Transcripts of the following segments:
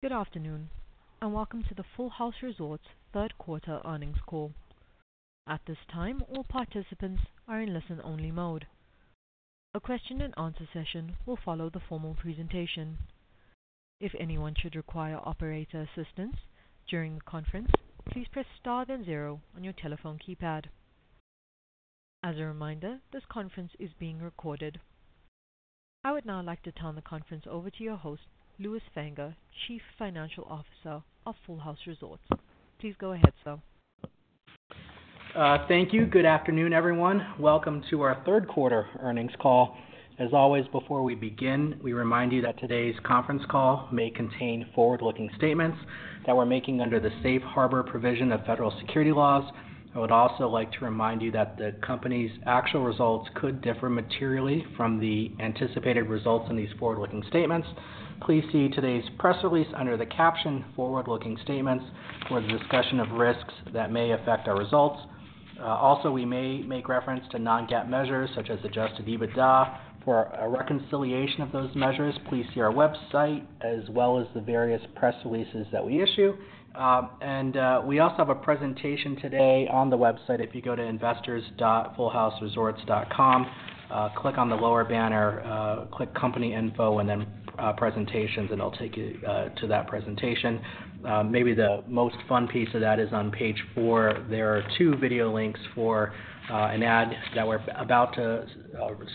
Good afternoon and welcome to the Full House Resorts third quarter earnings call. At this time, all participants are in listen-only mode. A question and answer session will follow the formal presentation. If anyone should require operator assistance during the conference, please press star then zero on your telephone keypad. As a reminder, this conference is being recorded. I would now like to turn the conference over to your host, Lewis Fanger, Chief Financial Officer of Full House Resorts. Please go ahead sir. Thank you. Good afternoon, everyone. Welcome to our third quarter earnings call. As always, before we begin, we remind you that today's conference call may contain forward-looking statements that we're making under the safe harbor provision of federal securities laws. I would also like to remind you that the company's actual results could differ materially from the anticipated results in these forward-looking statements. Please see today's press release under the caption forward-looking statements for the discussion of risks that may affect our results. Also, we may make reference to non-GAAP measures such as Adjusted EBITDA. For a reconciliation of those measures, please see our website as well as the various press releases that we issue. And we also have a presentation today on the website. If you go to investors.fullhouseresorts.com, click on the lower banner, click Company info and then presentations, and it will take you to that presentation. Maybe the most fun piece of that is on page four. There are two video links for an ad that we're about to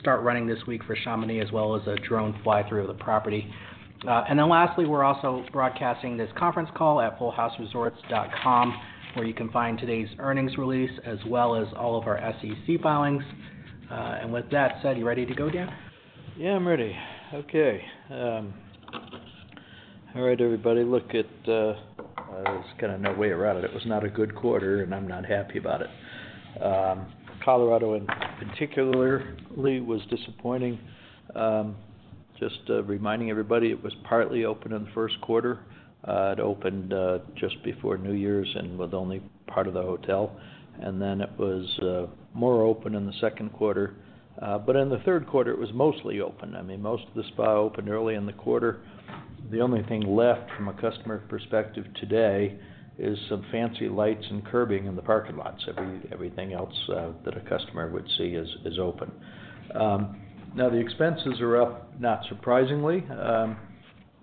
start running this week for Chamonix, as well as a drone fly through of the property. And then lastly, we're also broadcasting this conference call at fullhouseresorts.com where you can find today's earnings release as well as all of our SEC filings. And with that said. You ready to go, Dan? Yeah, I'm ready. Okay. All right, everybody look at. There's kind of no way around it. It was not a good quarter and I'm not happy about it. Colorado, in particular, was disappointing. Just reminding everybody it was partly open in the first quarter. It opened just before New Year's and with only part of the hotel. And then it was more open in the second quarter, but in the third quarter it was mostly open. I mean, most of the spa opened early in the quarter. The only thing left from a customer perspective today is some fancy lights and curbing in the parking lots. Everything else that a customer would see is open now. The expenses are up, not surprisingly.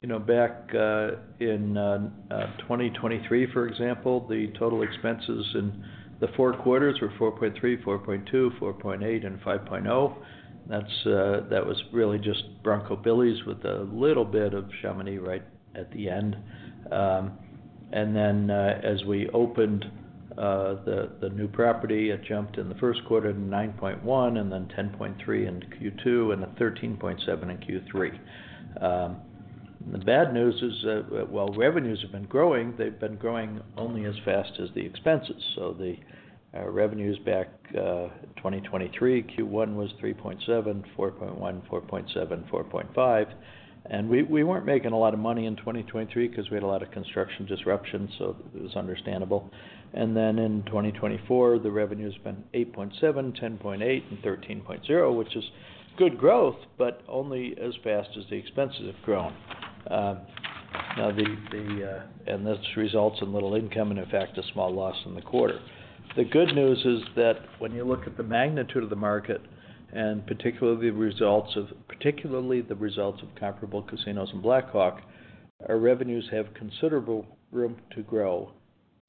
You know, back in 2023, for example, the total expenses in the four quarters were $4.3, $4.2, $4.8, and $5.0. That was really just Bronco Billy's with a little bit of Chamonix right at the end, and then as we opened the new property, it jumped in the first quarter to 9.1 and then 10.3 in Q2 and a 13.7 in Q3. The bad news is, while revenues have been growing, they've been growing only as fast as the expenses, so the revenues back 2023 Q1 was 3.7, 4.1, 4.7, 4.5, and we weren't making a lot of money in 2023 because we had a lot of construction disruption, so it was understandable, and then in 2024, the revenue has been 8.7, 10.8, and 13.0, which is good growth, but only as fast as the expenses have grown, and this results in little income and in fact, a small loss in the quarter. The good news is that when you look at the magnitude of the market and particularly the results of comparable casinos in Black Hawk, our revenues have considerable room to grow,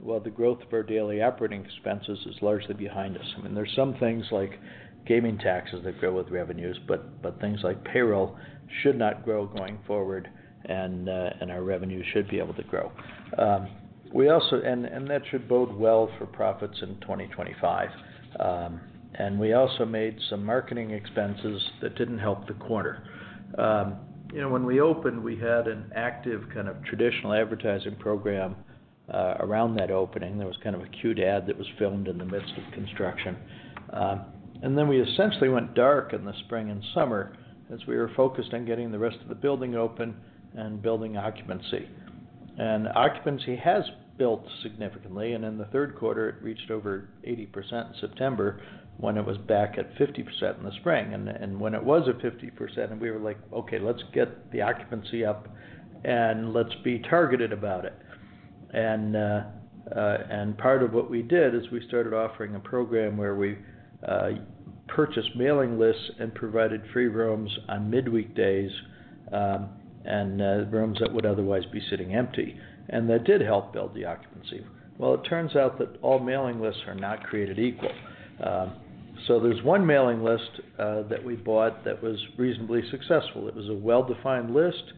while the growth of our daily operating expenses is largely behind us. I mean, there's some things like gas, gaming, taxes that grow with revenues, but things like payroll should not grow going forward, and our revenue should be able to grow. And that should bode well for profits in 2025. And we also made some marketing expenses that didn't help the quarter. When we opened, we had an active kind of traditional advertising program around that opening. There was kind of a cute ad that was filmed in the midst of construction. Then we essentially went dark in the spring and summer as we were focused on getting the rest of the building open and building occupancy. Occupancy has built significantly. In the third quarter it reached over 80% in September, when it was back at 50% in the spring. When it was at 50%, we were like, okay, let's get the occupancy up and let's be targeted about it. Part of what we did is we started offering a program where we purchased mailing lists and provided free rooms on midweek days and rooms that would otherwise be sitting empty. That did help build the occupancy. It turns out that all mailing lists are not created equal. There's one mailing list that we bought that was reasonably successful. It was a well defined list,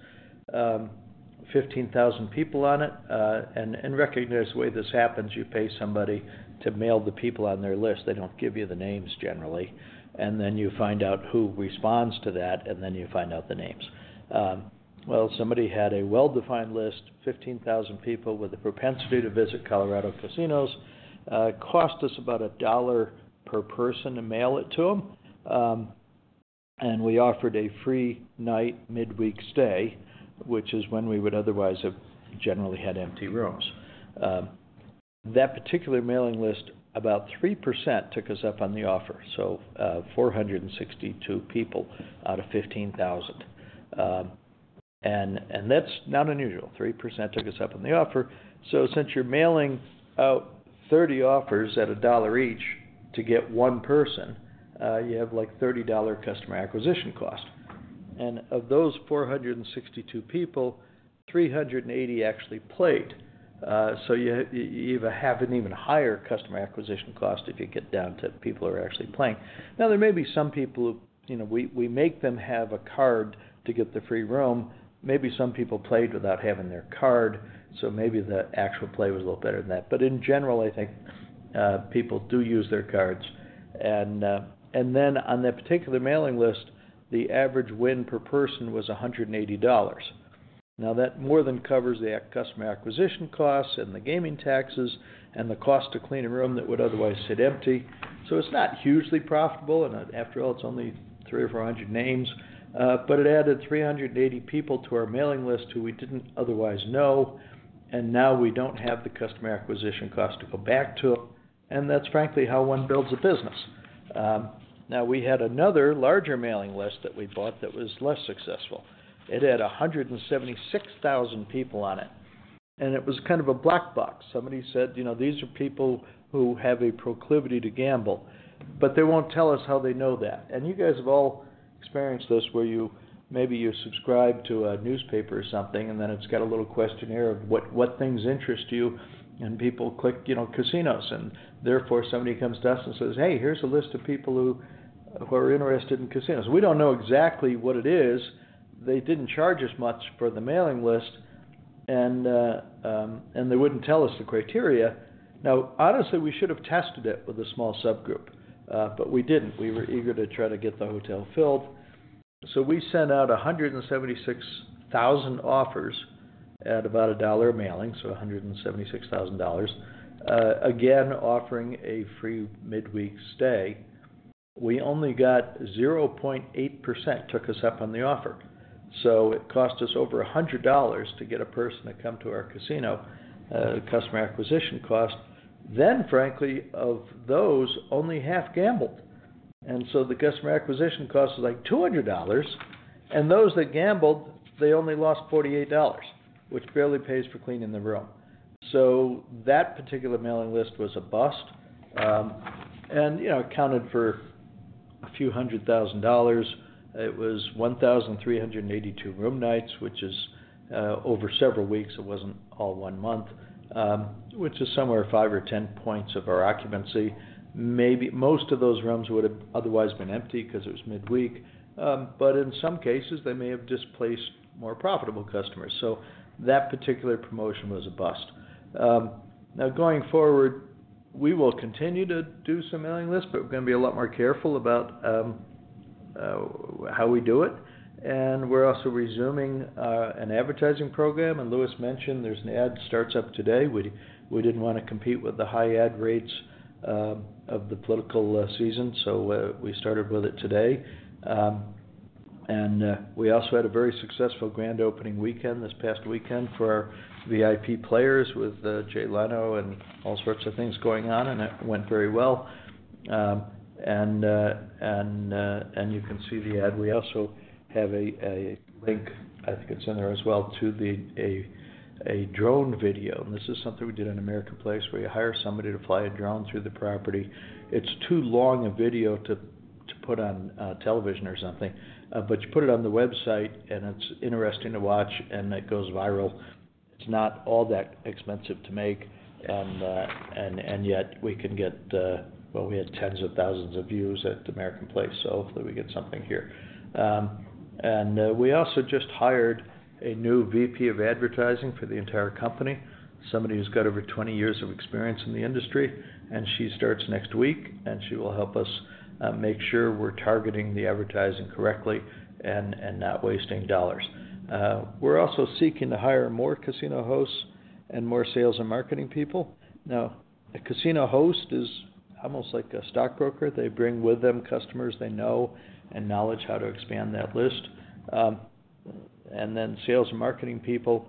15,000 people on it. Recognize the way this happens, you pay somebody to mail the people on their list. They don't give you the names generally. And then you find out who responds to that, and then you find out the names. Well, somebody had a well defined list. 15,000 people with a propensity to visit Colorado casinos cost us about a dollar per person to mail it to them. And we offered a free night midweek stay, which is when we would otherwise have generally had empty rooms. That particular mailing list, about 3% took us up on the offer. So 462 people out of 15,000, and that's not unusual. 3% took us up on the offer. So since you're mailing out 30 offers at a dollar each to get one person, you have like $30 customer acquisition cost. And of those 462 people, 380 actually played. You have an even higher customer acquisition cost if you get down to people who are actually playing. Now, there may be some people. We make them have a card to get the free room. Maybe some people played without having their card, so maybe the actual play was a little better than that. But in general, I think people do use their cards. And then on that particular mailing list, the average win per person was $180. Now, that more than covers the customer acquisition costs and the gaming taxes and the cost to clean a room that would otherwise sit empty. So it's not hugely profitable. And after all, it's only three or four hundred names. But it added 380 people to our mailing list who we didn't otherwise know. And now we don't have the customer acquisition cost to go back to them. That's frankly how one builds a business. Now, we had another larger mailing list that we bought that was less successful. It had 176,000 people on it, and it was kind of a black box. Somebody said, you know, these are people who have a proclivity to gamble, but they won't tell us how they know that. And you guys have all experienced this where you maybe you subscribe to a newspaper or something, and then it's got a little questionnaire of what things interest you. And people click casinos. And therefore, somebody comes to us and says, hey, here's a list of people who are interested in casinos. We don't know exactly what it is. They didn't charge us much for the mailing list, and they wouldn't tell us the criteria. Now, honestly, we should have tested it with a small subgroup, but we didn't. We were eager to try to get the hotel filled, so we sent out 176,000 offers at about a dollar a mailing. So $176,000 again, offering a free midweek stay. We only got 0.8% took us up on the offer. So it cost us over $100 to get a person to come to our casino. Customer acquisition cost then, frankly, of those, only half gambled. And so the customer acquisition cost like $200. And those that gambled, they only lost $48, which barely pays for cleaning the room. So that particular mailing list was a bust. And, you know, accounted for a few hundred thousand dollars. It was 1,382 room nights, which is over several weeks. It wasn't all one month, which is somewhere five or 10 points of our occupancy. Maybe most of those rooms would have otherwise been empty because it was midweek, but in some cases, they may have displaced more profitable customers. So that particular promotion was a bust. Now, going forward, we will continue to do some mailing lists, but we're going to be a lot more careful about how we do it, and we're also resuming an advertising program. And Lewis mentioned there's an ad starts up today. We didn't want to compete with the high ad rates of the political season, so we started with it today, and we also had a very successful grand opening weekend this past weekend for our VIP players with Jay Leno and all sorts of things going on. And it went very well, and you can see the ad. We also have a link, I think it's in there as well, to a drone video. This is something we did in American Place where you hire somebody to fly a drone through the property. It's too long a video to put on television or something, but you put it on the website and it's interesting to watch and it goes viral. It's not all that expensive to make, and yet we can get. We had tens of thousands of views at American Place, so hopefully we get something here. We also just hired a new VP of advertising for the entire company, somebody who's got over 20 years of experience in the industry, and she starts next week. She will help us make sure we're targeting the advertising correctly and not wasting dollars. We're also seeking to hire more casino hosts and more sales and marketing people. Now, a casino host is almost like a stockbroker. They bring with them customers they know and knowledge how to expand that list, and then sales and marketing people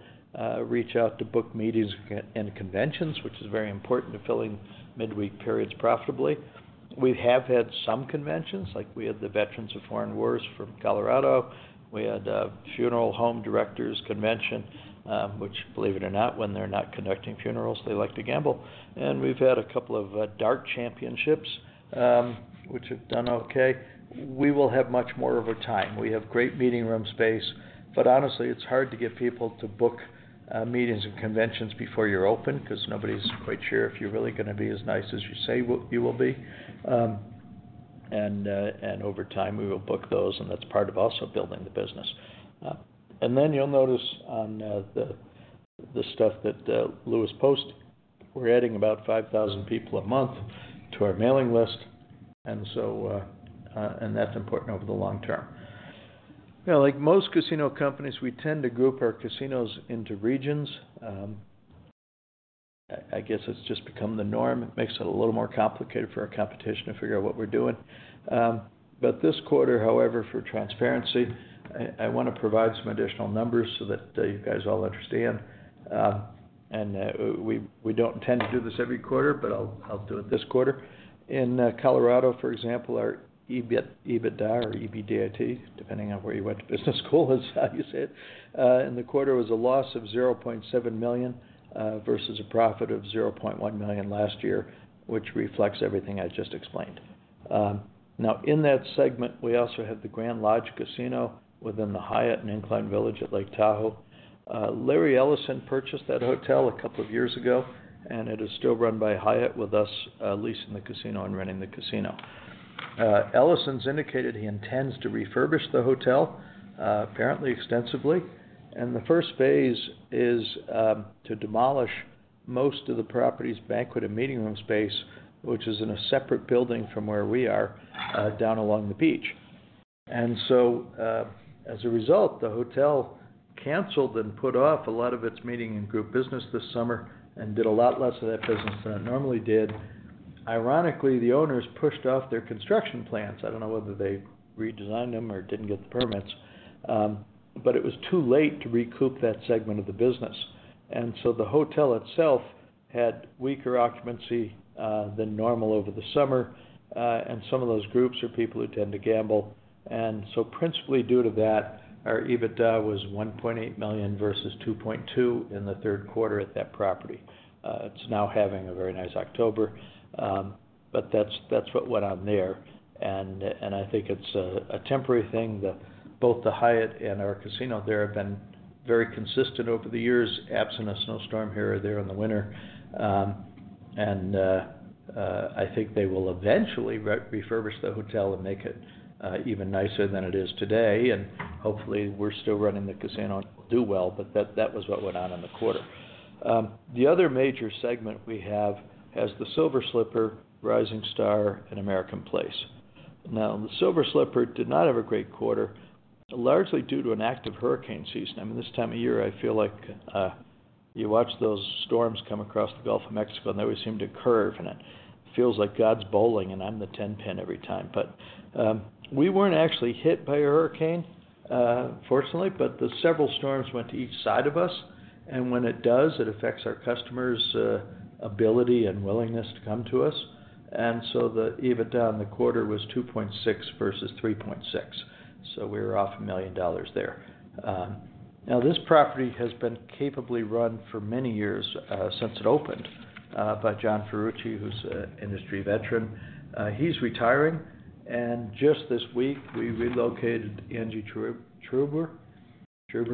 reach out to book meetings and conventions, which is very important to filling midweek periods profitably. We have had some conventions, like we had the Veterans of Foreign Wars from Colorado. We had Funeral Home Directors Convention, which, believe it or not, when they're not conducting funerals, they like to gamble, and we've had a couple of dart championships, which have done okay. We will have much more of a time. We have great meeting room space, but honestly, it's hard to get people to book meetings and conventions before you're open because nobody's quite sure if you're really going to be as nice as you say you will be, and over time, we will book those, and that's part of also building the business. And then you'll notice on the stuff that Lewis posted, we're adding about 5,000 people a month to our mailing list. And that's important over the long term. Like most casino companies, we tend to group our casinos into regions. I guess it's just become the norm. It makes it a little more complicated for our competition to figure out what we're doing. But this quarter, however, for transparency, I want to provide some additional numbers so that you guys all understand, and we don't intend to do this every quarter, but I'll do it this quarter. In Colorado, for example, our EBITDA or E-B-I-T-D-A, depending on where you went to business school, is how you say it in the quarter was a loss of $0.7 million versus a profit of $0.1 million last year, which reflects everything I just explained. Now, in that segment, we also have the Grand Lodge Casino within the Hyatt and Incline Village at Lake Tahoe. Larry Ellison purchased that hotel a couple of years ago, and it is still run by Hyatt, with us leasing the casino and renting the casino. Ellison's indicated he intends to refurbish the hotel apparently extensively. The first phase is to demolish most of the property's banquet and meeting room space, which is in a separate building from where we are down along the beach. So as a result, the hotel canceled and put off a lot of its meeting and group business this summer and did a lot less of that business than it normally did. Ironically, the owners pushed off their consultants. I don't know whether they redesigned them or didn't get the permits, but it was too late to recoup that segment of the business. And so the hotel itself had weaker occupancy than normal over the summer. And some of those groups are people who tend to gamble. And so principally due to that, our EBITDA was $1.8 million versus $2.2 million in the third quarter at that property. It's now having a very nice October, but that's what went on there. And I think it's a temporary thing. Both the Hyatt and our casino there have been very consistent over the years, absent a snowstorm here or there in the winter. And I think they will eventually refurbish the hotel and make it even nicer than it is today. And hopefully we're still running the casino do well. But that was what went on in the quarter. The other major segment we have, the Silver Slipper, Rising Star and American Place. Now, the Silver Slipper did not have a great quarter, largely due to an active hurricane season. I mean, this time of year I feel like you watch those storms come across the Gulf of Mexico and they always seem to curve and it feels like God's bowling and I'm the ten pin every time, but we weren't actually hit by a hurricane, fortunately, but several storms went to each side of us, and when it does, it affects our customers' ability and willingness to come to us, so the EBITDA in the quarter was $2.6 million versus $3.6 million. So we were off $1 million there. Now, this property has been capably run for many years since it opened by John Ferrucci, who's an industry veteran. He's retired. And just this week we relocated Angie Trubner-Webb. Angie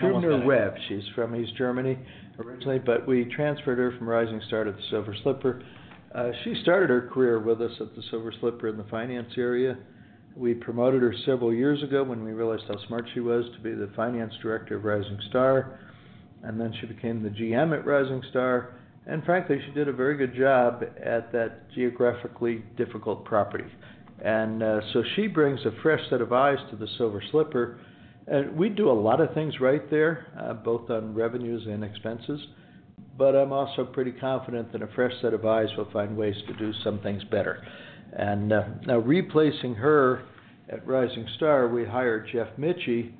Trubner-Webb. She's from East Germany originally, but we transferred her from Rising Star to the Silver Slipper. She started her career with us at the Silver Slipper in the finance area. We promoted her several years ago when we realized how smart she was to be the finance director of Rising Star. And then she became the GM at Rising Star. And frankly, she did a very good job at that geographically difficult property. And so she brings a fresh set of eyes to the Silver Slipper. We do a lot of things right there, both on revenues and expenses. But I'm also pretty confident that a fresh set of eyes will find ways to do some things better. Now, replacing her at Rising Star, we hired Jeff Michie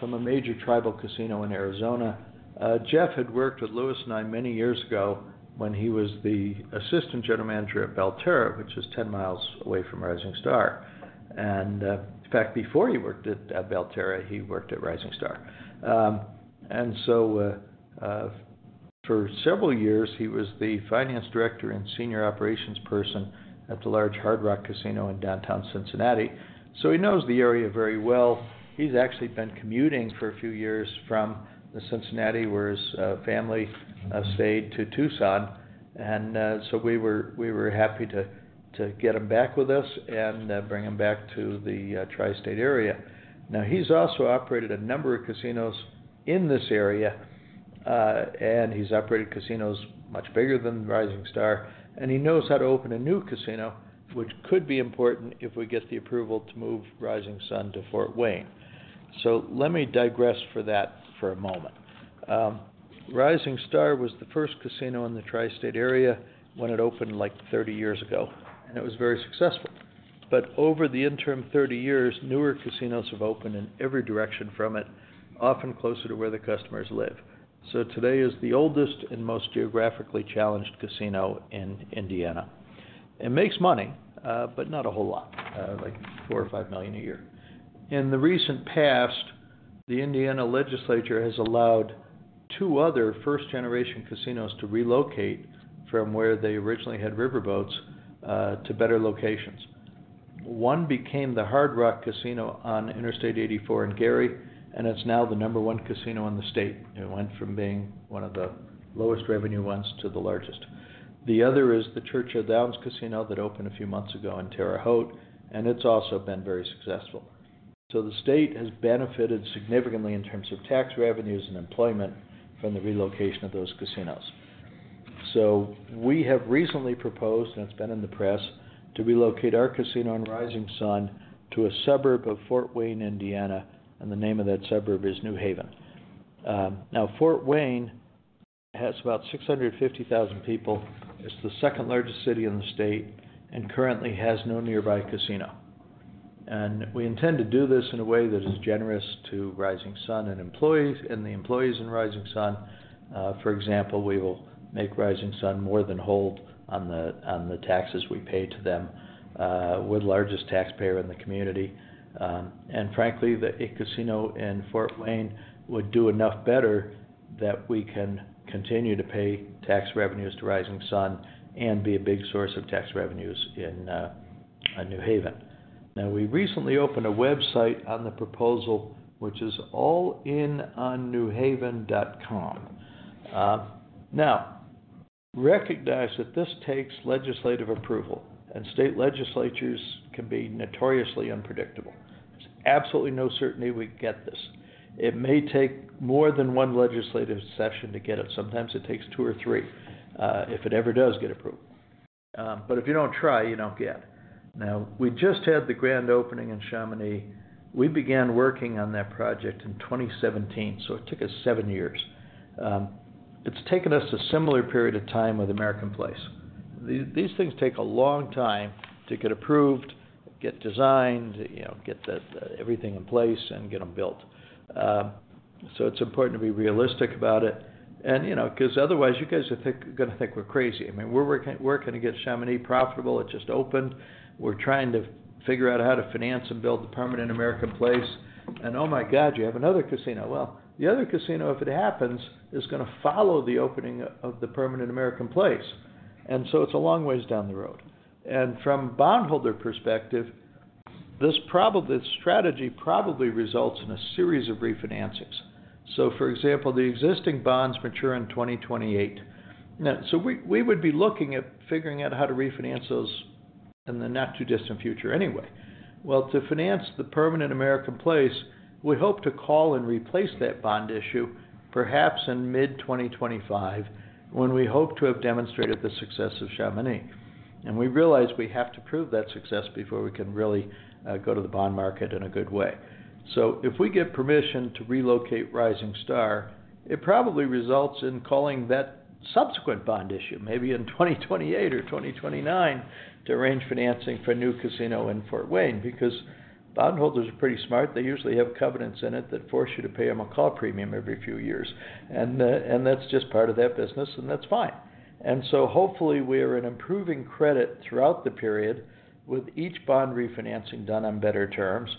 from a major tribal casino in Arizona. Jeff had worked with Lewis and I many years ago when he was the assistant general manager at Belterra, which is 10 miles away from Rising Star. In fact, before he worked at Belterra, he worked at Rising Star, and so for several years he was the finance director and senior operations person at the large Hard Rock Casino now in downtown Cincinnati, so he knows the area very well. He's actually been commuting for a few years from Cincinnati where his family stayed to Tucson, and so we were happy to get him back with us and bring him back to the Tri-State area. Now, he's also operated a number of casinos in this area, and he's operated casinos much bigger than Rising Star. He knows how to open a new casino, which could be important if we get the approval to move Rising Sun to Fort Wayne. Let me digress for that for a moment. Rising Star was the first casino in the Tri-State area when it opened like 30 years ago. It was very successful. Over the interim 30 years, newer casinos have opened in every direction from it, often closer to where the customer live. Today is the oldest and most geographically challenged casino in Indiana. It makes money, but not a whole lot like $4-$5 million a year. In the recent past, the Indiana legislature has allowed two other first generation casinos to relocate from where they originally had riverboats to better locations. One became the Hard Rock Casino on Interstate 84 in Gary, and it's now the number one casino in the state. It went from being one of the lowest revenue ones to the largest. The other is the Churchill Downs Casino that opened a few months ago in Terre Haute. And it's also been very successful. So the state has benefited significantly in terms of tax revenues and employment from the relocation of those casinos. So we have recently proposed, and it's been in the press, to relocate our casino on Rising Sun to a suburb of Fort Wayne, Indiana. And the name of that suburb is New Haven. Now, Fort Wayne has about 650,000 people. It's the second largest city in the state and currently has no nearby casino. We intend to do this in a way that is generous to Rising Sun and employees, and the employees in Rising Sun. For example, we will make Rising Sun more than hold on the taxes we pay to them. We're the largest taxpayer in the community, and frankly, a casino in Fort Wayne would do enough better that we can continue to pay tax revenues to Rising Sun and be a big source of tax revenues in New Haven. Now, we recently opened a website on the proposal which is allinonnewhaven.com. Now, recognize that this takes legislative approval. And state legislatures can be notoriously unpredictable. There's absolutely no certainty we get this. It may take more than one legislative session to get it. Sometimes it takes two or three if it ever does get approved. But if you don't try, you don't get. Now, we just had the grand opening in Chamonix. We began working on that project in 2017. So it took us seven years. It's taken us a similar period of time with American Place. These things take a long time to get approved, get designed, get everything in place and get them built. So it's important to be realistic about it because otherwise you guys are going to think we're crazy. We're working to get Chamonix profitable. It just opened. We're trying to figure out how to finance and build the permanent American Place property, and oh my God, you have another casino. Well, the other casino, if it happens, is going to follow the opening of the permanent American Place, and so it's a long ways down the road, and from bondholder perspective, this probably strategy results in a series of refinancings. So, for example, the existing bonds mature in 2028. So we would be looking at figuring out how to refinance finances in the not too distant future anyway. Well, to finance the Permanent American Place, we hope to call and replace that bond issue perhaps in mid-2025, when we hope to have demonstrated the success of Chamonix. And we realize we have to prove that success before we can really go to the bond market in a good way. So if we get permission to relocate Rising Star, it probably results in calling that subsequent bond issue maybe in 2028 or 2029, to arrange financing for new casino in Fort Wayne. Because bondholders are pretty smart, they usually have covenants in it that force you to pay them a call premium every few years. And that's just part of that business, and that's fine. And so hopefully we are an improving credit throughout the period with each bond refinancing done on better terms.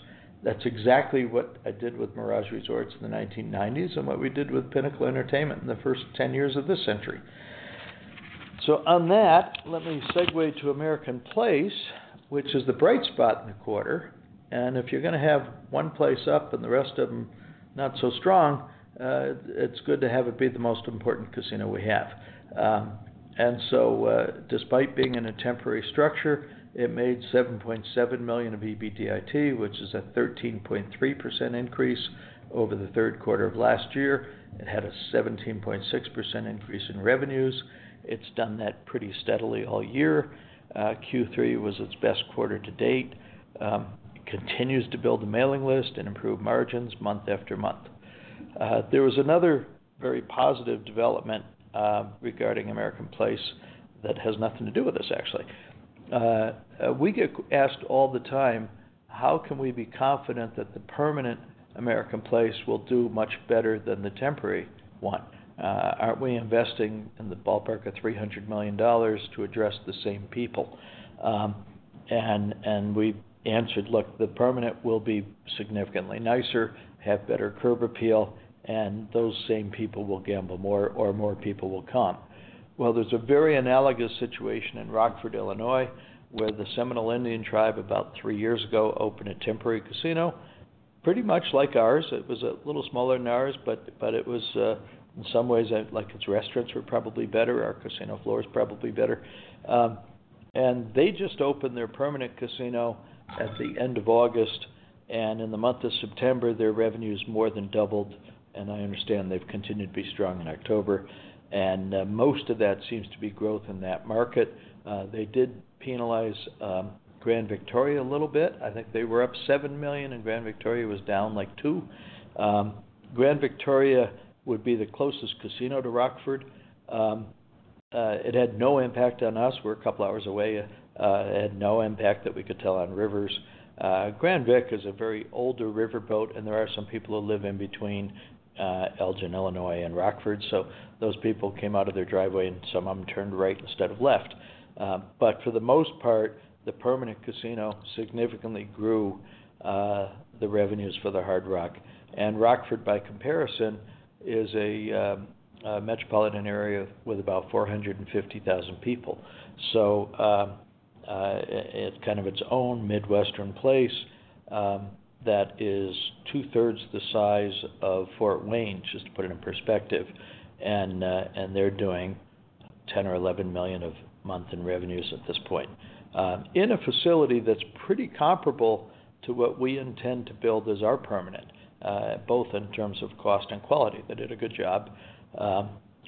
That's exactly what I did with Mirage Resorts the 1990s and what we did with Pinnacle Entertainment in the first 10 years of this century. So on that, let me segue to American Place, which is the bright spot in the quarter. And if you're going to have one place up and the rest of them not so strong, it's good to have it be the most important casino we have. And so despite being in a temporary structure, it made $7.7 million of them. EBITDA, which is a 13.3% increase over the third quarter of last year. It had a 17.6% increase in revenues. It's done that pretty steadily all year. Q3 was its best quarter to date, continues to build the mailing list and improve margins month after month. There was another very positive development regarding American Place that has nothing to do with this. Actually, we get asked all the time, how can we be confident that the permanent American Place will do much better than the temporary one. Aren't we investing in the ballpark of $300 million to address the same people? And we answered, look, the permanent will be significantly nicer, have better curb appeal, and those same people will gamble. More or more people will come. Well, there's a very analogous situation in Rockford, Illinois where the Seminole Indian tribe about three years ago opened a temporary casino pretty much like ours. It was a little smaller than ours, but it was in some ways like its restaurants were probably better. Our casino floor is probably better. And they just opened their permanent casino at the end of August. In the month of September their revenues more than doubled. I understand they've continued to be strong in October and most of that seems to be growth in that market. They did penalize Grand Victoria a little bit. I think they were up $7 million and Grand Victoria was down like $2,000. Grand Victoria would be the closest casino to Rockford. It had no impact on us. We're a couple hours away. It had no impact that we could tell on Rivers. Grand Vic is a very older riverboat and there are some people who live in between Elgin, Illinois and Rockford. So those people came out of their driveway and some of them turned right instead of left. For the most part, the permanent casino significantly grew the revenues for the Hard Rock. Rockford, by comparison, is a metropolitan area with about 450,000 people. So it's kind of its own Midwestern place that is 2/3 the size of Fort Wayne, just to put it in perspective. They're doing $10 or $11 million a month in revenues at this point in a facility that's pretty comparable to what we intend to build as our permanent, both in terms of cost and quality. They did a good job,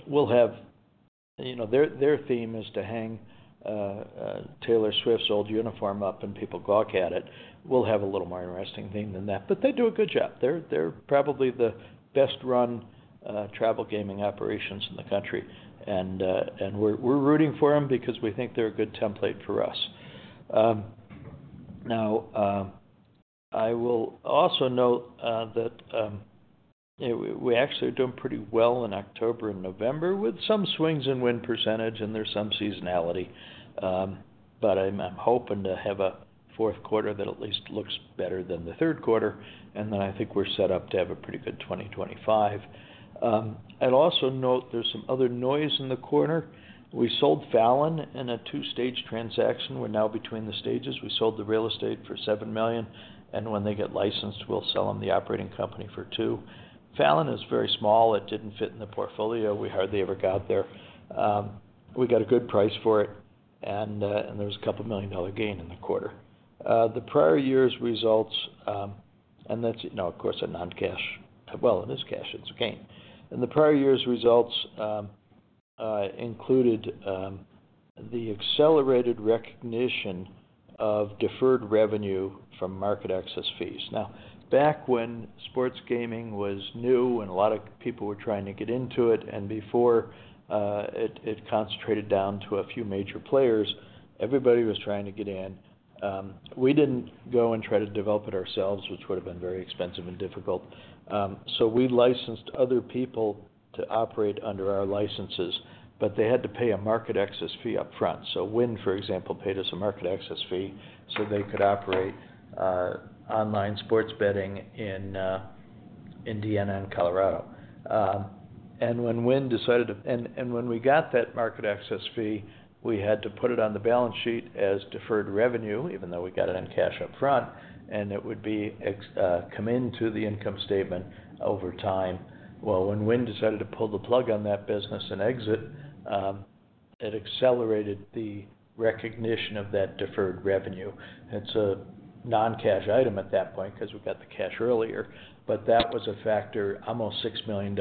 you know, their theme is to hang Taylor Swift's old uniform up and people gawk at it. We'll have a little more interesting theme than that, but they do a good job. They're probably the best run travel gaming operations in the country. We're rooting for them because we think they're a good template for us. Now I will also note that we actually are doing pretty well in October and November with some swings in win percentage and there's some seasonality. But I'm hoping to have a fourth quarter that at least looks better than the third quarter. And then I think we're set up to have a pretty good 2025. I'd also note there's some other noise in the quarter. We sold Fallon in a two-stage transaction. We're now between the stages. We sold the real estate for $7 million. And when they get licensed, we'll sell them the operating company for $2 million. Fallon is very small. It didn't fit in the portfolio. We hardly ever got there. We got a good price for it and there was a $2 million gain in the quarter, the prior year's results. And that's of course a non-cash. Well, it is cash. It's a gain. And the prior year's results included the accelerated recognition of deferred revenue from market access fees. Now, back when sports gaming was new and a lot of people were trying to get into it, and before it concentrated down to a few major players, everybody was trying to get in. We didn't go and try to develop it ourselves, which would have been very expensive and difficult. So we licensed other people to operate under our licenses, but they had to pay a market access fee up front. So Wynn, for example, paid us a market access fee so they could operate online sports betting in Indiana and Colorado. And when we got that market access fee, we had to put it on the balance sheet as deferred revenue, even though we got it in cash up front. And it would be expensed coming into the income statement over time. When Wynn decided to pull the plug on that business and exit, it accelerated the recognition of that deferred revenue. It's a non-cash item at that point because we got the cash earlier, but that was a factor. Almost $6 million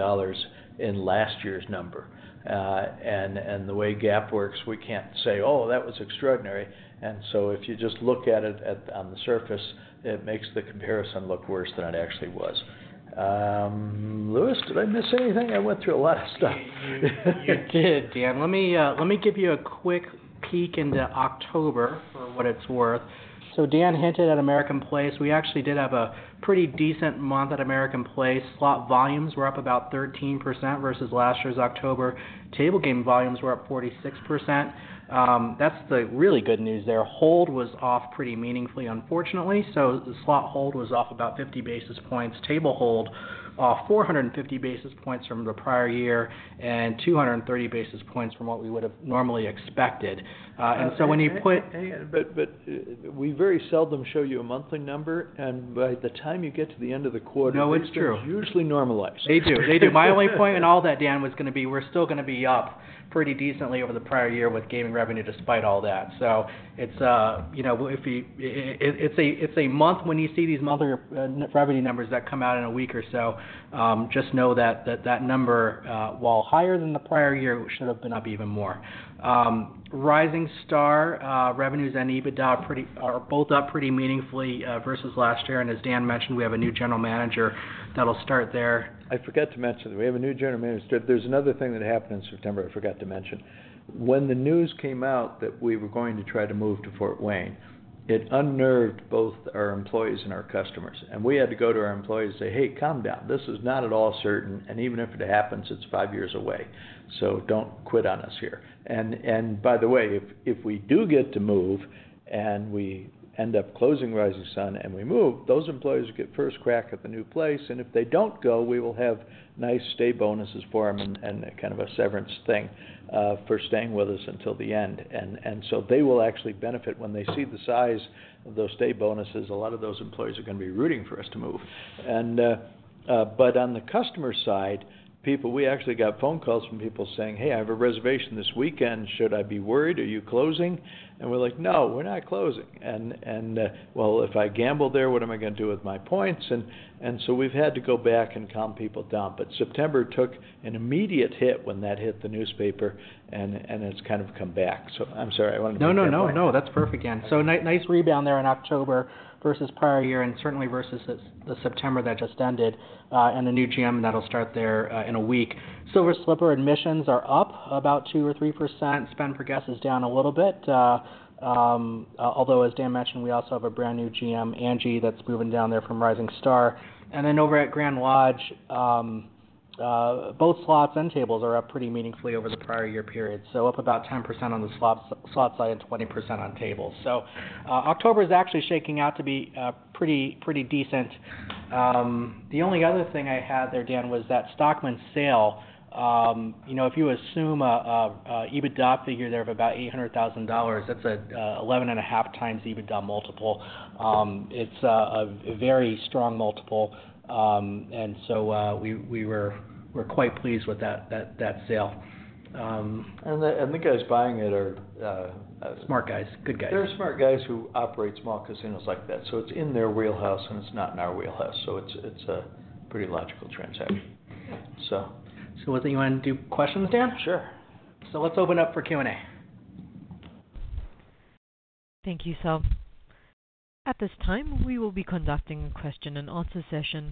in last year's number. And the way GAAP works, we can't say, oh, that was extraordinary. And so if you just look at it on the surface, it makes the comparison look worse than it actually was. Lewis, did I miss anything? I went through a lot of stuff. You did. Dan, let me give you a quick peek into October for what it's worth. So Dan hinted at American Place. We actually did have a pretty decent month at American Place. Slot volumes were up about 13% versus last year's October total. Game volumes were up 46%. That's the really good news there. Hold was off pretty meaningfully, unfortunately. So the slot hold was off about 50 basis points. Table hold off 450 basis points from the prior year and 230 basis points from what we would have normally expected. And so when you put. But we very seldom show you a monthly number, and by the time you get to the end of the quarter. No, it's true, they do. They do. My only point in all that, Dan, was going to be we're still going to be up pretty decently over the prior year with gaming revenue, despite all that. So it's, you know, if it's a month, when you see these monthly revenue numbers that come out in a week or so, just know that that number, while higher than the prior year, should have been up even more. Rising Star revenues and EBITDA are both up pretty meaningfully versus last year. And as Dan mentioned, we have a new general manager that'll start there. I forgot to mention we have a new general manager. There's another thing that happened in September I forgot to mention. When the news came out that we were going to try to move to Fort Wayne, it unnerved both our employees and our customers. And we had to go to our employees say, "hey, calm down, this is not at all certain." And even if it happens, it's five years away, so don't quit on us here. And by the way, if, if we do get to move and we end up closing Rising Sun and we move, those employees get first crack at the new place. And if they don't go, we will have nice stay bonuses for them and kind of a severance thing for staying with us until the end. And so they will actually benefit when they see the size of those stay bonuses. A lot of those employees are going to be rooting for us to move. But on the customer side, people, we actually got phone calls from people saying, hey, I have a reservation this weekend. Should I be worried? Are you closing? And we're like, no, we're not closing. And well, if I gamble there, what am I going to do with my points? And so we've had to go back and calm people down. But September took an immediate hit when that hit the newspaper and it's kind of come back. So I'm sorry, I wanted to. No, no, no, no, that's perfect, Dan. So nice rebound there in October versus prior year and certainly versus the September that just ended and the new GM that'll start there in a week. Silver Slipper admissions are up about 2% or 3%. Spend per guest is down a little bit. Although, as Dan mentioned, we also have a brand new GM, Angie, that's moving down there from Rising Star and then over at Grand Lodge, both slots and tables are up pretty meaningfully over the prior year period, so up about 10% on the slot side and 20% on tables. So October is actually shaking out to be pretty decent. The only other thing I had there, Dan, was that Stockman’s sale. You know, if you assume EBITDA figure there of about $800,000, that's an 11.5 times EBITDA multiple. It's a very strong multiple. And so we were quite pleased with that sale. The guys buying it are smart guys, good guys. There are smart guys who operate small casinos like that. It's in their wheelhouse and it's not in our wheelhouse. It's a pretty logical transaction. So what do you want to do? Questions, Dan? Sure. So let's open up for Q&A. Thank you, sir. At this time we will be conducting a question and answer session.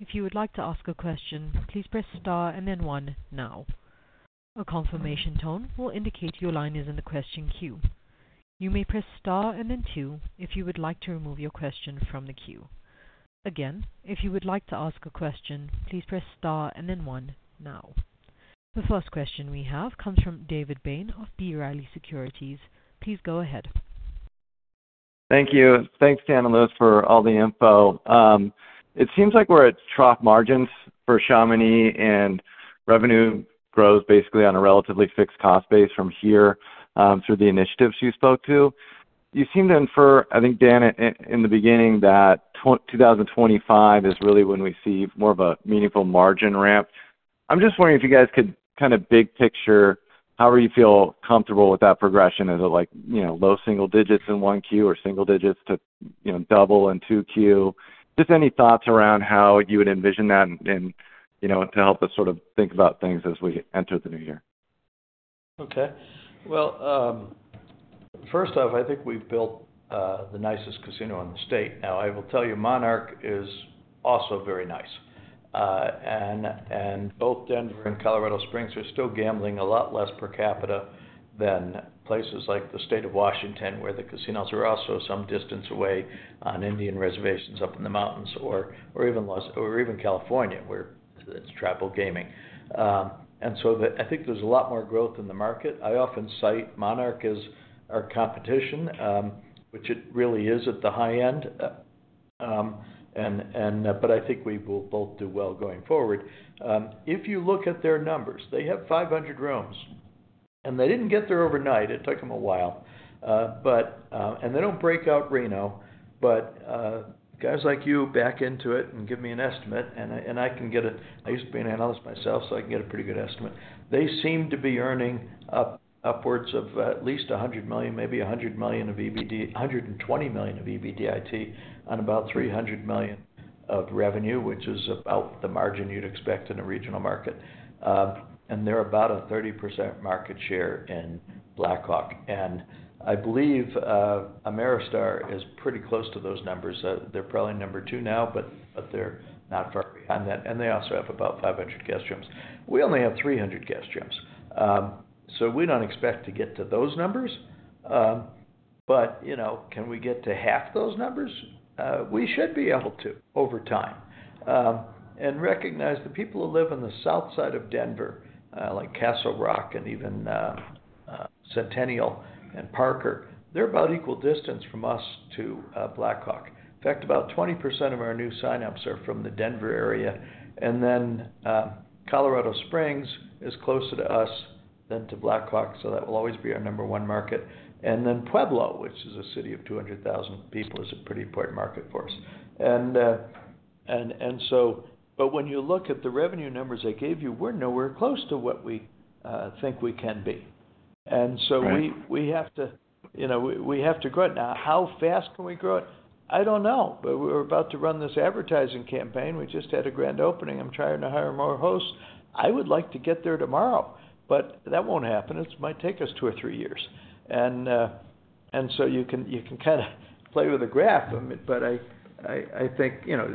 If you would like to ask a question, please press Star and then one. Now a confirmation tone will indicate your line is in the question queue. You may press Star and then two. If you would like to remove your question from the queue. Again, if you would like to ask a question, please press Star and then one. Now the first question we have comes from David Bain of B. Riley Securities. Please go ahead. Thank you. Thanks Dan and Lewis for all the info. It seems like we're at trough margins for Chamonix and revenue grows basically on a relatively fixed cost base from here through the initiatives you spoke to. You seem to infer, I think, Dan, in the beginning that 2025 is really when we see more of a meaningful margin ramp. I'm just wondering if you guys could kind of big picture, however you feel comfortable with that progression. Is it like low single digits in 1Q or single digits to double in 2Q? Just any thoughts around how you would envision that and you know, to help us sort of think about things as. We enter the new year. Okay, well, first off, I think we built the nicest casino in the state. Now I will tell you, Monarch is also very nice. Both Denver and Colorado Springs are still gambling a lot less per capita than places like the state of Washington where the casinos are also some distance away on Indian reservations up in the mountains or even California where it's tribal gaming. I think there's a lot more growth in the market. I often cite Monarch as our competition, which it really is at the high end. I think we will both do well going forward. If you look at their numbers, they have 500 rooms and they didn't get there overnight. It took them a while and they don't break out Reno, but guys like you back into it and give me an estimate and I can get it. I used to be an analyst myself, so I can get a pretty good estimate. They seem to be earning upwards of at least $100 million, maybe $100 million of EBITDA. $120 million of EBITDA on about $300 million of revenue, which is about the margin you'd expect in a regional market. And they're about a 30% market share in Black Hawk. And I believe Ameristar is pretty close to those numbers. They're probably number two now, but they're not far behind that. And they also have about 500 guest rooms. We only have 300 guest rooms. So we don't expect to get to those numbers. But you know, can we get to half those numbers? We should be able to over time and recognize the people who live on the south side of Denver, like Castle Rock and even Centennial and Parker. They're about equal distance from us to Black Hawk. In fact, about 20% of our new sign ups are from the Denver area, and then Colorado Springs is closer to us than to Black Hawk, so that will always be our number one market. And then Pueblo, which is a city of 200,000 people, is a pretty important market for us, and so but when you look at the revenue numbers I gave you, we're nowhere close to what we think we can be. And so we have to, you know, we have to grow it now. How fast can we grow it? I don't know, but we're about to run this advertising campaign. We just had a grand opening. I'm trying to hire more hosts. I would like to get there tomorrow, but that won't happen. It might take us two or three years. And so you can kind of play with the graph. But I think, you know,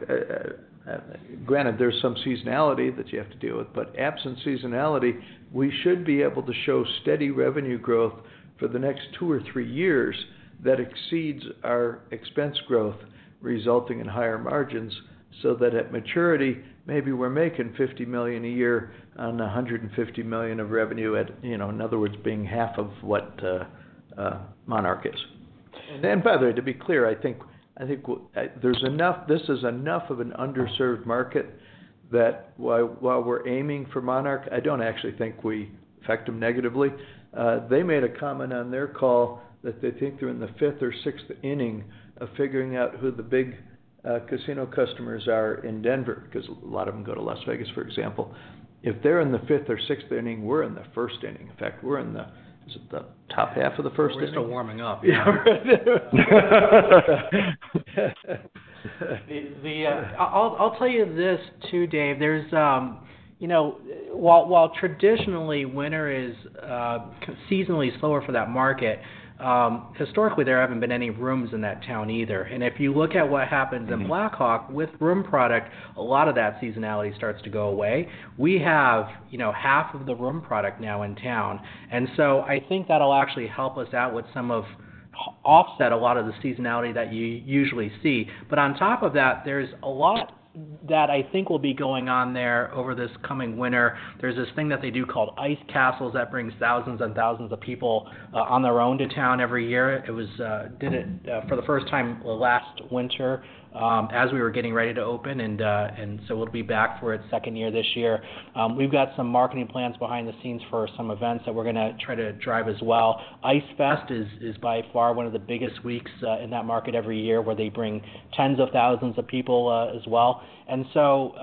granted there's some seasonality that you have to deal with. But absent seasonality, we should be able to show steady revenue growth for the next two or three years that exceeds our expense growth, resulting in higher margins. So that at maturity, maybe we're making $50 million a year on $150 million of revenue, you know, in other words, being half of what Monarch is. And by the way, to be clear, I think there's enough, this is enough of an underserved market that while we're aiming for Monarch, I don't actually think we affect them negatively. They made a comment on their call that they think they're in the fifth or sixth inning of figuring out who the big casino customers are in Denver because a lot of them go to Las Vegas. For example, if they're in the fifth or sixth inning, we're in the first inning. In fact, we're in the first inning. Is it the top half of the first inning? We're still warming up. I'll tell you this too, Dave. There's, you know, while traditionally winter is seasonally slower for that market, historically there haven't been any rooms in that town either. And if you look at what happens up Black Hawk with room product, a lot of that seasonality starts to go away. We have, you know, half of the room product now in town. And so I think that'll actually help us out with some offset to a lot of the seasonality that you usually see. But on top of that, there's a lot that I think will be going on there over this coming winter. There's this thing that they do called Ice Castles that brings thousands and thousands of people on their own to town every year. It did it for the first time last winter as we were getting ready to open. And so we'll be back for its second year this year. We've got some marketing plans behind the scenes for some events that we're going to try to drive as well. Ice Fest is by far one of the biggest weeks in that market every year where they bring tens of thousands of people as well. And so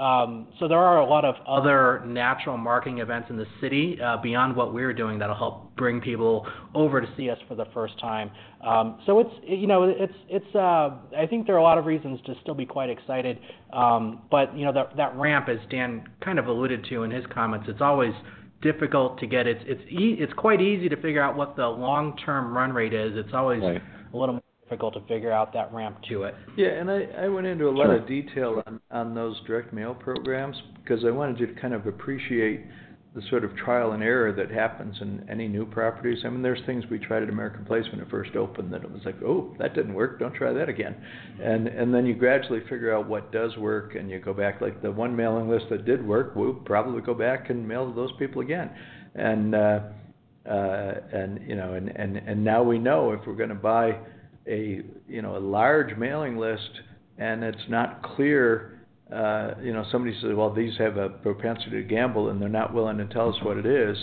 there are a lot of other natural marketing events in the city beyond what we're doing that'll help bring people over to see us for the first time. So it's, you know, I think there are a lot of reasons to still be quite excited. But you know, that ramp, as Dan kind of alluded to in his comments, it's always difficult to get. It's quite easy to figure out what the long term run rate is. It's always a little difficult to figure. Out that ramp to it. Yeah, and I went into a lot of detail on those direct mail programs, but because I wanted you to kind of appreciate the sort of trial and error that happens in any new properties. I mean, there's things we tried at American Place when it first opened that it was like, oh, that didn't work. Don't try that again, and then you gradually figure out what does work and you go back. Like the one mailing list that did work, we probably go back and mail to those people again, and now we know if we're going to buy a large mailing list and it's not clear, you know, somebody says, well, these have a propensity to gamble and they're not willing to tell us what it is.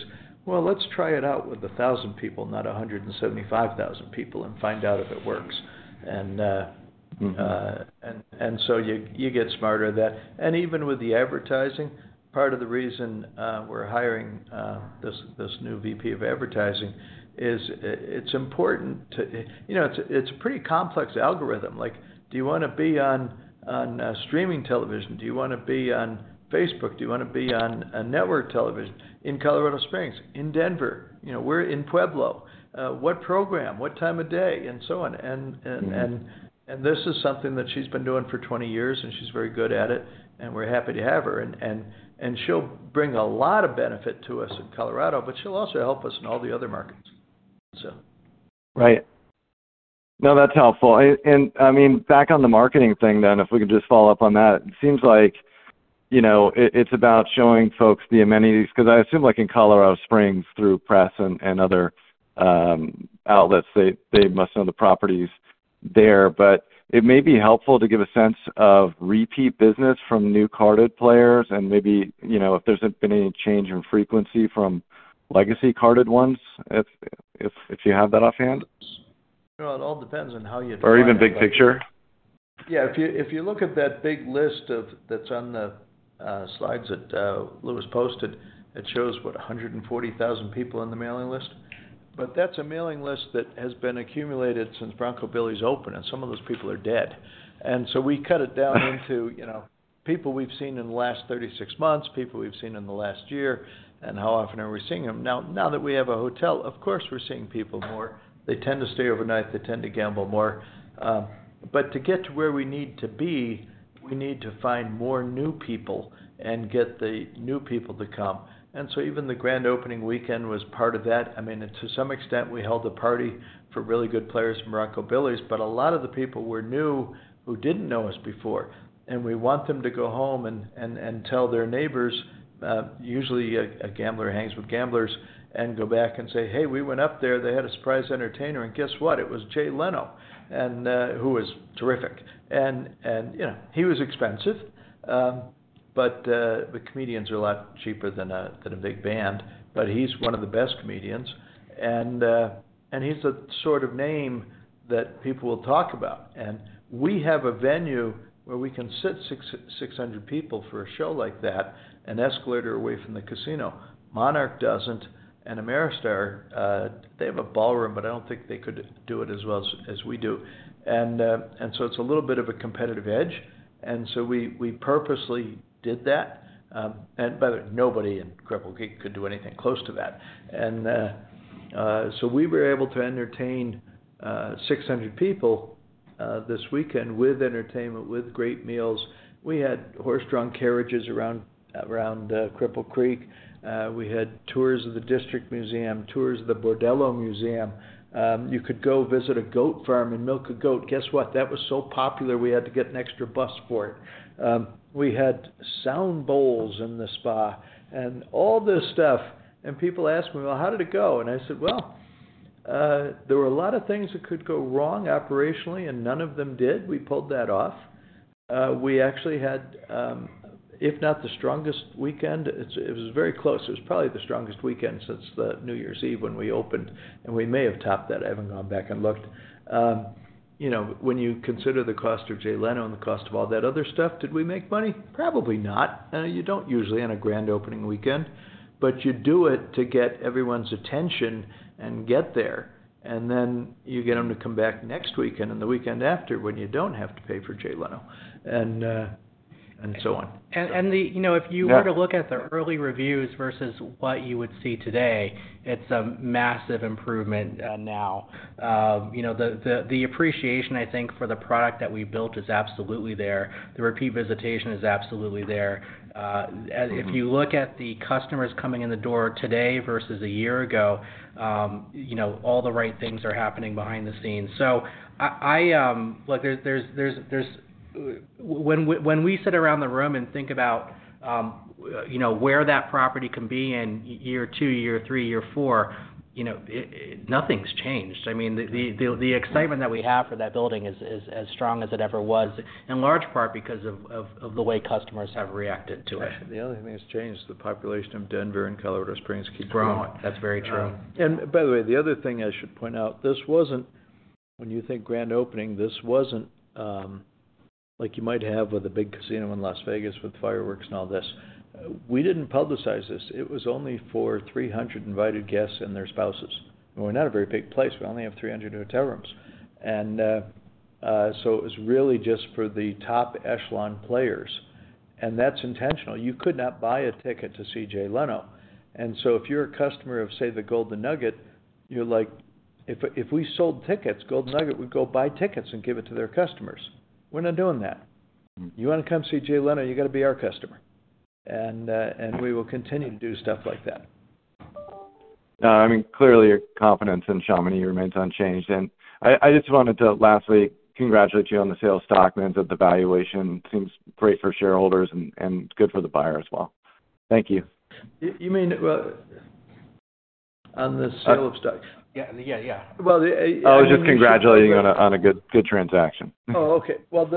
Let's try it out with 1,000 people, not 175,000 people, and find out if it works, and so you get smarter at that. Even with the advertising, part of the reason we're hiring this new VP of advertising is. It's important. You know, it's a pretty complex algorithm, like, do you want to be on streaming television? Do you want to be on Facebook? Do you want to be on network television in Colorado Springs, in Denver, we're in Pueblo, what program, what time of day, and so on. This is something that she's been doing for 20 years, and she's very good at it, and we're happy to have her. She'll bring a lot of benefit to us in Colorado, but she'll also help us in all the other markets. Right. No, that's helpful. And, I mean, back on the marketing thing, then if we could just follow up on that. It seems like it's about showing folks the amenities, because I assume in Colorado Springs, through press and other outlets, they must know the properties there. But it may be helpful to give a sense of repeat business from new carded players and maybe if there's been any change in frequency from legacy carded ones, if you have that offhand. Well, it all depends on how you. Or even big picture. Yeah. If you look at that big list that's on the slides that Lewis posted, it shows what, 140,000 people in the mailing list, but that's a mailing list that has been accumulated since Bronco Billy's open, and some of those people are dead, and so we cut it down into, you know, people we've seen in the last 36 months, people we've seen in the last year, and how often are we seeing them now that we have a hotel. Of course we're seeing people more. They tend to stay overnight. They tend to gamble more, but to get to where we need to be, we need to find more new people and get the new people to come, and so even the grand opening weekend was part of that. I mean, to some extent, we held a party for really good players in Bronco Billy's. But a lot of the people were new who didn't know us before, and we want them to go home and tell their neighbors. Usually a gambler hangs with gamblers and go back and say, hey, we went up there. They had a surprise entertainer, and guess what? It was Jay Leno, who was terrific. And, you know, he was expensive, but comedians are a lot cheaper than a big band. But he's one of the best comedians, and he's the sort of name that people will talk about. And we have a venue where we can sit 600 people for a show like that. An escalator away from the casino. Monarch doesn't, and Ameristar, they have a ballroom, but I don't think they could do it as well as we do. And so it's a little bit of a competitive edge. And so we purposely did that. And by the way, nobody in Cripple Creek could do anything close to that. And so we were able to entertain 600 people this weekend with entertainment, with great meals. We had horse drawn carriages around Cripple Creek. We had tours of the district museum, tours of the Bordello Museum. You could go visit a goat farm and milk a goat. Guess what? That was so popular, we had to get an extra bus for it. We had sound bowls in the spa and all this stuff. And people asked me, well, how did it go? And I said, well, there were a lot of things that could go wrong operationally and none of them did. We pulled that off. We actually had, if not the strongest weekend. It was very close. It was probably the strongest weekend since the New Year's Eve when we opened. We may have topped that. I haven't gone back and looked. You know, when you consider the cost of Jay Leno and the cost of all that other stuff, did we make money? Probably not. You don't usually on a grand opening weekend, but you do it to get everyone's attention and get there and then you get them to come back next weekend and the weekend after when you don't have to pay for Jay Leno and so on. If you were to look at the early reviews versus what you would see today, it's a massive improvement. Now the appreciation, I think, for the product that we built is absolutely there. The repeat visitation is absolutely there. If you look at the customers coming in the door today versus a year ago, all the right things are happening behind the scenes. When we sit around the room and think about where that property can be in year two, year three, year four, you know, nothing's changed. I mean, the excitement that we have for that building is as strong as it ever was in large part because of the way customers have reacted to it. The only thing that's changed, the population of Denver and Colorado Springs keep growing. That's very true. And by the way, the other thing I should point out, this wasn't. When you think grand opening, this wasn't like you might have with a big casino in Las Vegas with fireworks and all this. We didn't publicize this. It was only for 300 invited guests and their spouses. We're not a very big place. We only have 300 hotel rooms. And so it was really, just for the top echelon players. And that's intentional. You could not buy a ticket to see Jay Leno. And so if you're a customer of, say, the Golden Nugget, you're like, if we sold tickets, Golden Nugget would go buy tickets and give it to their customers. We're not doing that. You want to come see Jay Leno, you got to be our customer. We will continue to do stuff like that. I mean, clearly your confidence in Chamonix remains unchanged, and I just wanted to lastly congratulate you on the sale of Stockman’s and that the valuation seems great for shareholders and. Good for the buyer as well. Thank you. You mean on the sale of stocks? Yeah. Yeah. I was just congratulating on a good transaction. Okay, well,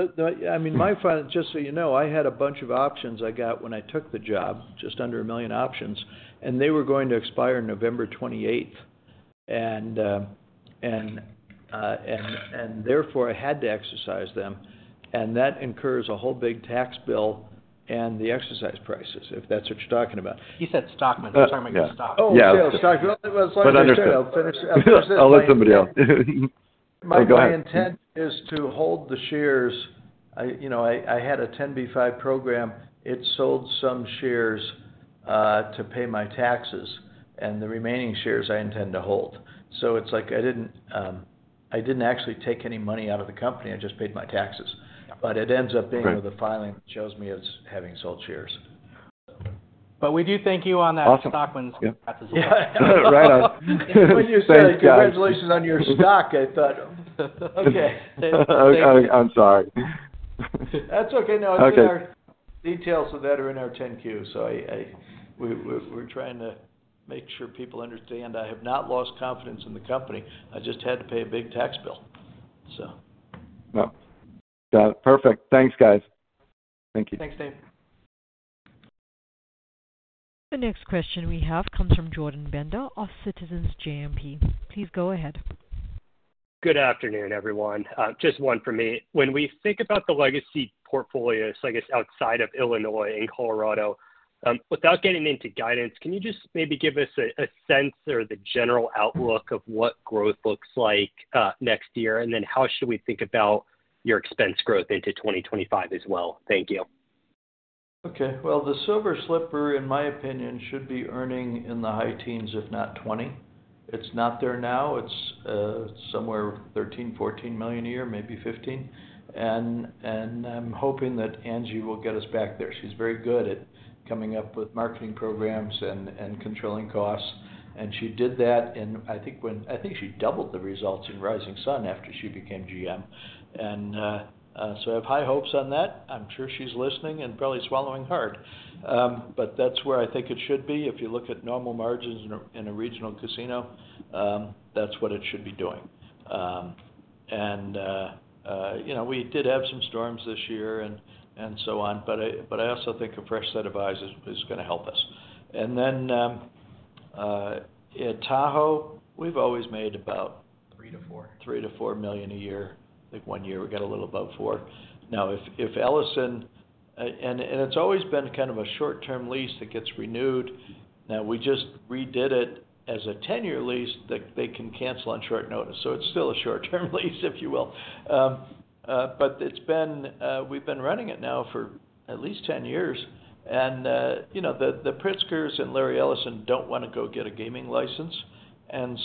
I mean, my final, just so you know, I had a bunch of options I got when I took the job, just under a million options, and they were going to expire November 28th, and therefore, I had to exercise them, and that incurs a whole big tax bill and the exercise prices, if that's what you're talking about. You said Stockman's. I'm talking about Stockman. I'll let somebody else. My intent is to hold the shares. You know, I had a 10b5 program. It sold some shares to pay my taxes, and the remaining shares I intend to hold. So it's like, I didn't actually take any money out of the company. I just paid my taxes. But it ends up being with a filing that shows me as having sold shares. But we do thank you on that stock. When it's practiced. Right on. When you said congratulations on your stock, I thought. Okay. I'm sorry. That's okay. Now, details of that are in our 10-Q. So I. We're trying to make sure people understand I have not lost confidence in the company. I just had to pay a big tax bill. So. Perfect. Thanks, guys. Thank you. Thanks, Dave. The next question we have comes from Jordan Bender of Citizens JMP. Please go ahead. Good afternoon, everyone. Just one for me. When we think about the legacy portfolio. I guess outside of Illinois and Colorado, without getting into guidance, can you just maybe give us a sense of the general outlook of what growth looks like next year? How should we think about your expense growth into 2025 as well? Thank you. Okay, well, the Silver Slipper, in my opinion, should be earning in the high teens, if not 20. It's not there now. It's somewhere $13-$14 million a year, maybe $15 million. And I'm hoping that Angie will get us back there. She's very good at coming up with marketing programs and controlling costs, and she did that. I think she doubled the results in Rising Sun after she became GM. So I have high hopes on that. I'm sure she's listening and probably swallowing hard, but that's where I think it should be. If you look at normal margins in a regional casino, that's what it should be doing. And you know, we did have some storms this year and so on, but I also think a fresh set of eyes is going to help us. Then at Tahoe, we've always made about $3 million-$4 million a year. Like one year we got a little above $4 million. Now, with Ellison. It's always been kind of a short-term lease that gets renewed. Now we just redid it as a 10-year lease that they can cancel on short notice. So it's still a short-term lease, if you will. But we've been running it now for at least 10 years. You know, the Pritzkers and Larry Ellison don't want to go get a gaming license.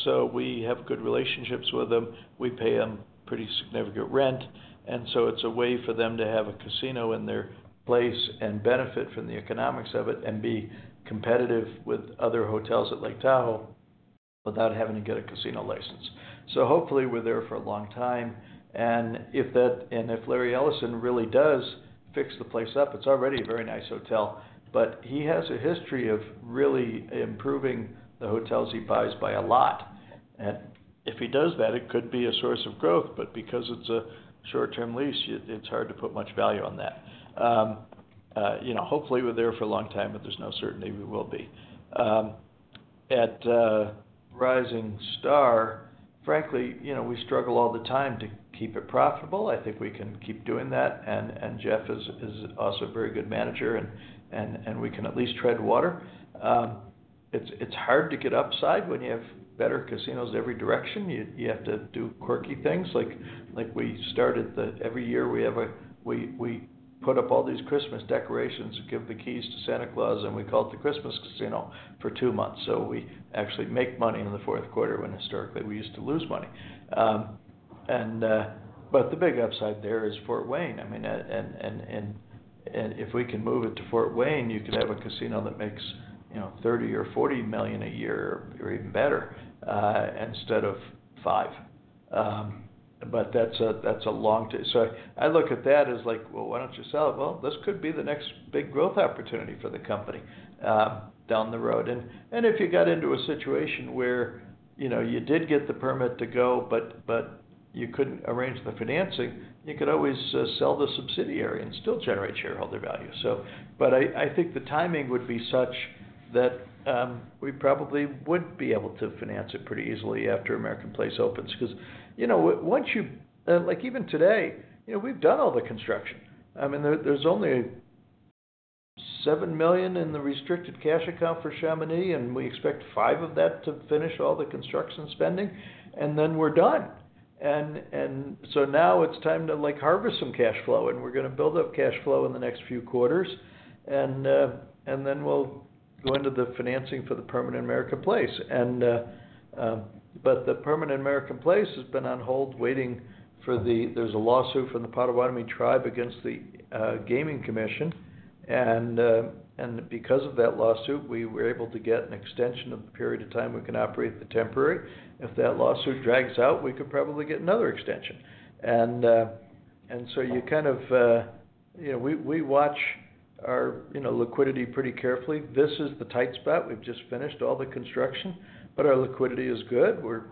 So we have good relationships with them. We pay them pretty significant rent. So it's a way for them to have a casino in their place and benefit from the economics of it and be competitive with other hotels at Lake Tahoe without having to get a casino license. So hopefully we're there for a long time. And if Larry Ellison really does fix the place up, it's already a very nice hotel. But he has a history of really improving the hotels he buys by a lot. And if he does that, it could be a source of growth. But because it's a short term lease, it's hard to put much value on that. You know, hopefully we're there for a long time, but there's no certainty we will be at Rising Star. Frankly, you know, we struggle all the time to keep it profitable. I think we can keep doing that. And Jeff is also a very good manager. And we can at least tread water. It's hard to get upside when you have better casinos every direction. You have to do quirky things like we started every year, we put up all these Christmas decorations, give the keys to Santa Claus and we call it the Christmas casino for two months. So we actually make money in the fourth quarter when historically we used to lose money, but the big upside there is Fort Wayne. I mean, if we can move it to Fort Wayne, you could have a casino that makes $30 million or $40 million a year or even better instead of $5 million, but that's a long shot, so I look at that as like, well, why don't you sell it? Well, this could be the next big growth opportunity for the company down the road. If you got into a situation where you did get the permit to go, but you couldn't arrange the financing, you could always sell the subsidiary and still generate shareholder value. So. I think the timing would be such that we probably would be able to finance it pretty easily after American Place opens. Because, you know, once you like, even today we've done all the construction. I mean there's only $7 million in the restricted cash account for Chamonix and we expect $5 million of that to finish all the construction spending and then we're done. So now it's time to like harvest some cash flow. We're going to build up cash flow in the next few quarters and then we'll go into the financing for the permanent American Place. The permanent American Place has been on hold waiting for the. There's a lawsuit from the Potawatomi Tribe against the Gaming Commission. And because of that lawsuit we were able to get an extra extension of the period of time we can operate the temporary. If that lawsuit drags out, we could probably get another extension. And so we watch our liquidity pretty carefully. This is the tight spot. We've just finished all the construction, but our liquidity is good. We're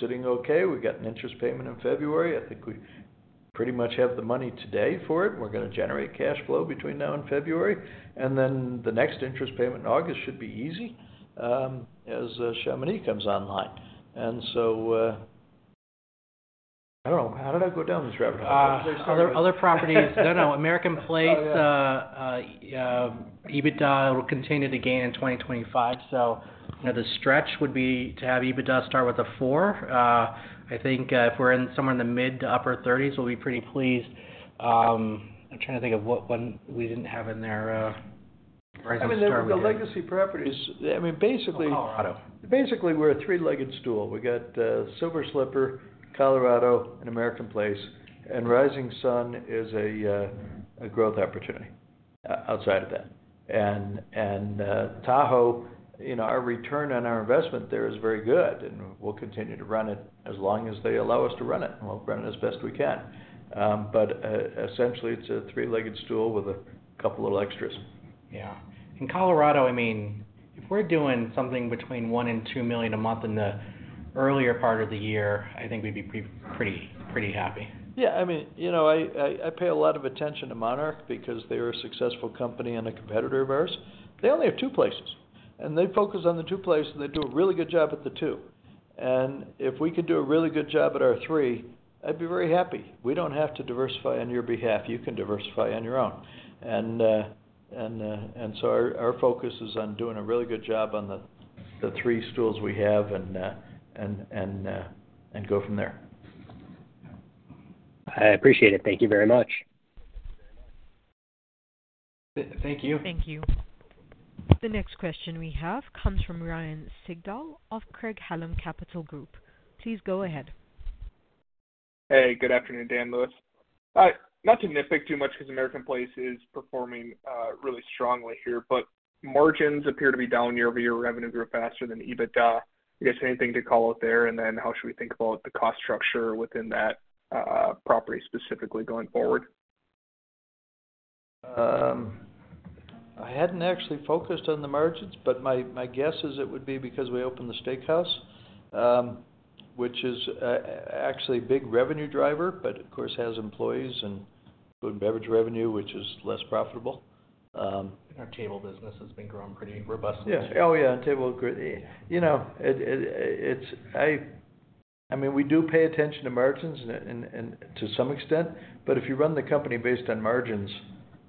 sitting okay. We got an interest payment in February. I think we pretty much have the money today for it. We're going to generate cash flow between now and February and then the next interest payment in August. Should be easy as Chamonix comes online. And so I don't know, how did I go down this rabbit hole? Other properties? No, no, American Place. EBITDA will continue to gain in 2025, so the stretch would be to have EBITDA start with a four. I think if we're in somewhere in the mid to upper 30s, we'll be pretty pleased. I'm trying to think of what one. We didn't have in there. The legacy properties. I mean basically we're a three-legged stool. We got Silver Slipper, Colorado, and American Place, and Rising Sun is a growth opportunity outside of that and Tahoe. Our return on our investment there is very good. And we, we'll continue to run it as long as they allow us to run it and we'll run it as best we can. But essentially it's a three-legged stool with a couple little extras. Yeah, in Colorado, I mean if we're doing something between $1 million and $2 million a month in the earlier part of the year. I think we'd be pretty happy. Yeah, I mean, you know, I pay a lot of attention to Monarch because they're a successful company and a competitor of ours. They only have two places and they focus on the two places and they do a really good job at the two. And if we could do a really good job at our three, I'd be very happy. We don't have to diversify on your behalf. You can diversify on your own. And so our focus is on doing a really good job on the three stools we have and go from there. I appreciate it. Thank you very much. Thank you. Thank you. The next question we have comes from Ryan Sigdahl of Craig-Hallum Capital Group. Please go ahead. Hey, good afternoon. Daniel Lee. Not to nitpick too much because American Place is performing really strongly here, but margins appear to be down year over year. Revenue grew faster than EBITDA, I guess. Anything to call out there, and then how should we think about the cost structure within that property, specifically going forward? I hadn't actually focused on the margins, but my guess is it would be because we opened the steakhouse, which is actually a big revenue driver, but of course has employees and food and beverage revenue, which is less profitable. Our table business has been growing pretty robustly. Yes. Oh, yeah. You know, it's. I mean, we do pay attention to margins to some extent, but if you run the company based on margins,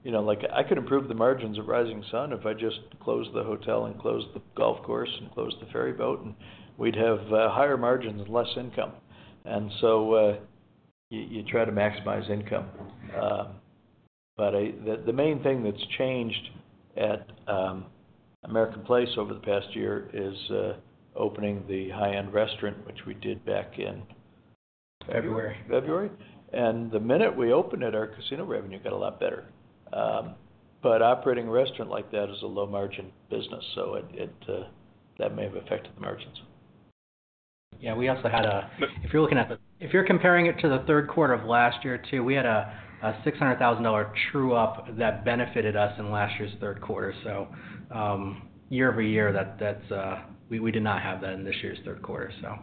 I could improve the margins of Rising Sun if I just closed the hotel and closed the golf course and closed the ferry boat, and we'd have higher margins and less income. And so you try to maximize income, but the main thing that's changed at American Place over the past year is opening the high end restaurant, which we did back in February. And the minute we opened it, our casino revenue got a lot better. But operating a restaurant like that is a low margin business, so that may have affected the margins. Yeah, we also had, if you're comparing it to the third quarter of last year, too, we had a $600,000 check true-up. That benefited us in last year's third quarter. So year over year that we did. Not have that in this year's third quarter so.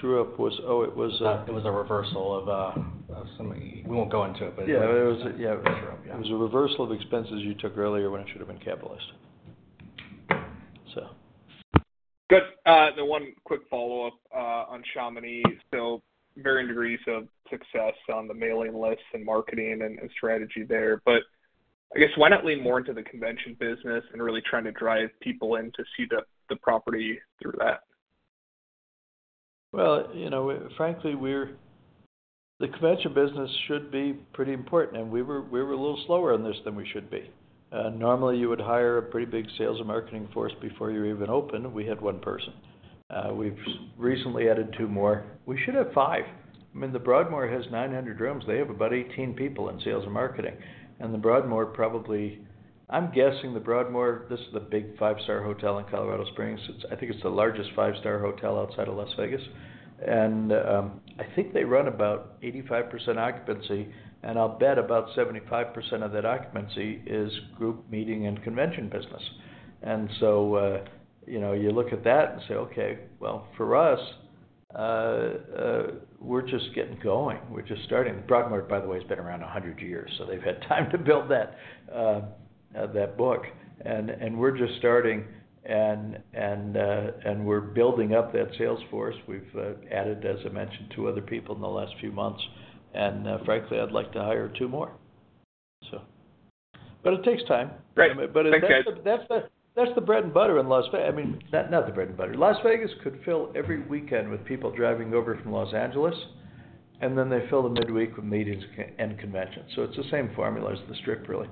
True up was. Oh, it was. It was a reversal of something. We won't go into it, but yeah, it was a reversal of expenses you took earlier when it should have been capitalized so good. The one quick follow up on Chamonix still varying degrees of success on the mailing list and marketing and strategy there. But I guess why not lean more into the convention business and really trying to drive people in to see the property through that? Well, you know, frankly we're. The convention business should be pretty important, and we were a little slower on this than we should be. Normally you would hire a pretty big sales and marketing force before you even open. We had one person, we've recently added two more. We should have five. I mean The Broadmoor has 900 rooms. They have about 18 people in sales and marketing. And The Broadmoor, probably, I'm guessing The Broadmoor, this is the big five-star hotel in Colorado Springs. I think it's the largest five-star hotel outside of Las Vegas. And I think they run about 85% occupancy. And so, you know, you look at that and say, okay, well for us we're just getting going, we're just starting. Broadmoor, by the way, has been around 100 years, so they've had time to build that book and we're just starting and we're building up that sales force. We've added, as I mentioned, two other people in the last few months and frankly I'd like to hire two more, but it takes time. That's the bread and butter in Las Vegas. I mean, not the bread and butter. Las Vegas could fill every weekend with people driving over from Los Angeles and then they fill the midweek with meetings and conventions. So it's the same formula as the Strip. Really?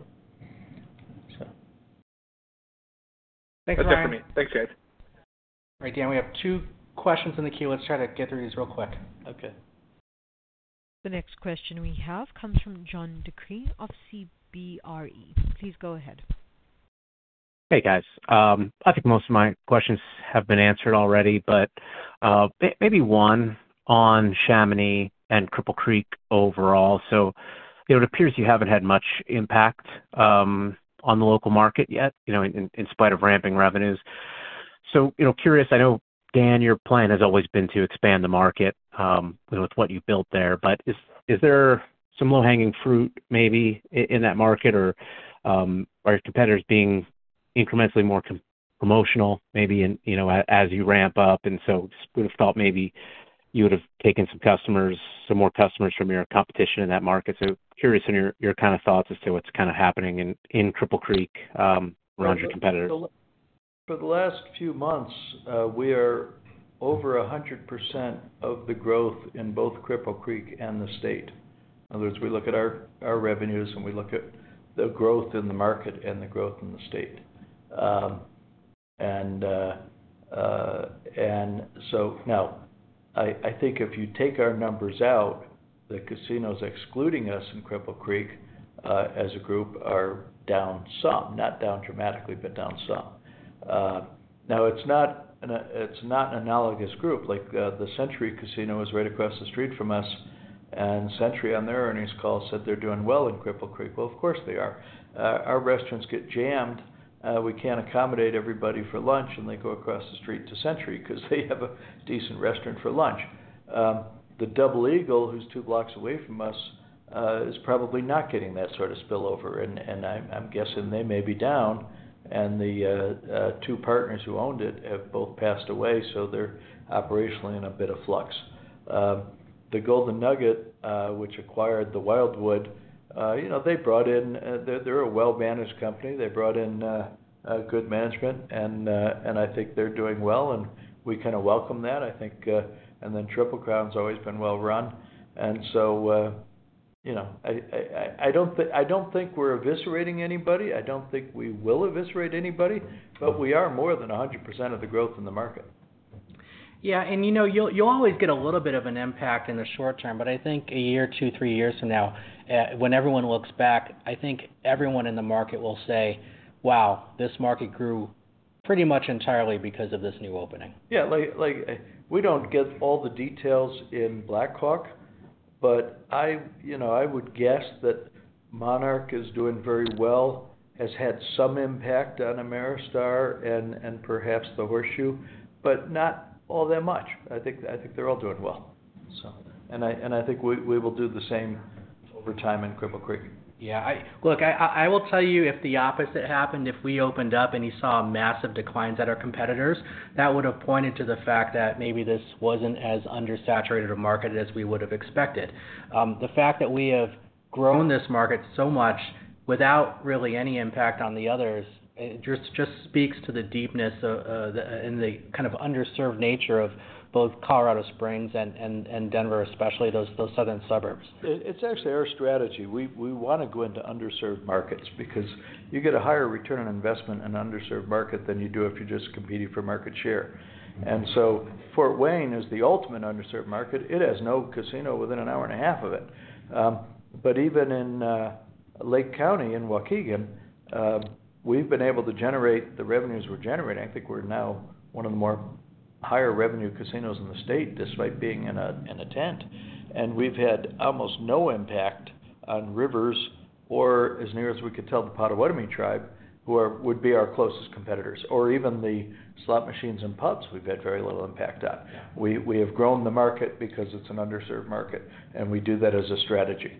That's it for me. Thanks guys. Dan, we have two questions in the queue. Let's try to get through these real quick. Okay, the next question we have comes from John DeCree of CBRE. Please go ahead. Hey guys. I think most of my questions have been answered already, but maybe one on Chamonix and Cripple Creek overall. So it appears you haven't had much impact on the local market yet in spite of ramping revenues. So curious. I know Dan, your plan has always been to expand the market with what you built there, but is there some low-hanging fruit maybe in that market or are your competitors being incrementally more promotional maybe as you ramp up and so would have thought maybe you would have taken some customers, some more customers from your competition in that market. So curious on your kind of thoughts as to what's kind of happening in Cripple Creek around your competitors. For the last few months. We are over 100% of the growth in both Cripple Creek and the state. In other words, we look at our revenues and we look at the growth in the market and the growth in the state. And so now I think if you take our numbers out, the casinos excluding us from Cripple Creek as a group are down some. Not down dramatically, but down some. Now, it's not an analogous group like the Century Casino is right across the street from us. And Century on their earnings call said they're doing well in Cripple Creek. Well, of course they are. Our restaurants get jammed. We can't accommodate everybody for lunch. And they go across the street to Century because they have a decent restaurant for lunch. The Double Eagle, who's two blocks away from us, is probably not getting that sort of spillover. I'm guessing they may be down. The two partners who owned it have both passed away. They're operationally in a bit of flux. The Golden Nugget, which acquired the Wildwood, you know, they brought in, they're a well managed company, they brought in good management and I think they're doing well. We kind of welcome that, I think. Then Triple Crown has always been well run. So, you know, I don't think we're eviscerating anybody. I don't think we will eviscerate anybody, but we are more than 100% of the growth in the market. Yeah. And you know, you'll always get a little bit of an impact in the short term, but I think a year, two, three years from now, when everyone looks back, I think everyone in the market will say, wow, this market grew pretty much entirely because of this new opening. Yeah. We don't get all the details in Black Hawk, but I would guess that Monarch is doing very well. Has had some impact on Ameristar and perhaps the Horseshoe, but not all that much. I think they're all doing well and I think we will do the same over time in Cripple Creek. Yeah, look, I will tell you, if the opposite happened, if we opened up and you saw massive declines at our competitors, that would have pointed to the fact that maybe this wasn't as undersaturated a market as we would have expected. The fact that we have grown this market so much without really any impact on the others just speaks to the deepness and the kind of underserved nature of both Colorado Springs and Denver, especially those southern suburbs. It's actually our strategy. We want to go into underserved markets because you get a higher return on investment in an underserved market than you do if you're just competing for market share, and so Fort Wayne is the ultimate underserved market. It has no casino within an hour and a half of it. But even in Lake County, in Waukegan, we've been able to generate the revenues we're generating. I think we're now one of the more higher revenue casinos in the state, despite being in a tent, and we've had almost no impact on Rivers, or as near as we could tell the Potawatomi Tribe who would be our closest competitors, or even the slot machines and pubs we've had very little impact on. We have grown the market because it's an underserved market and we do that as a strategy.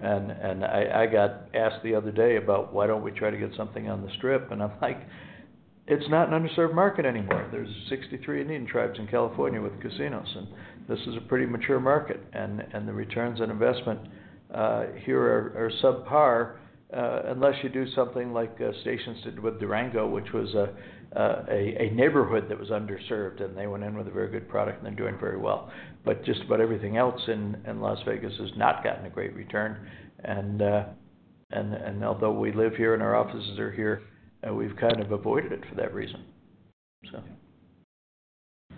I got asked the other day about why don't we try to get something on the Strip? I'm like, it's not an underserved market anymore. There's 63 Indian tribes in California with casinos. This is a pretty mature market. The returns on investment here are subpar. Unless you do something like Stations did with Durango, which was a neighborhood that was underserved and they went in with a very good product and they're doing very well. But just about everything else in Las Vegas has not gotten a great return. Although we live here and our offices are here, we've kind of avoided it for that reason.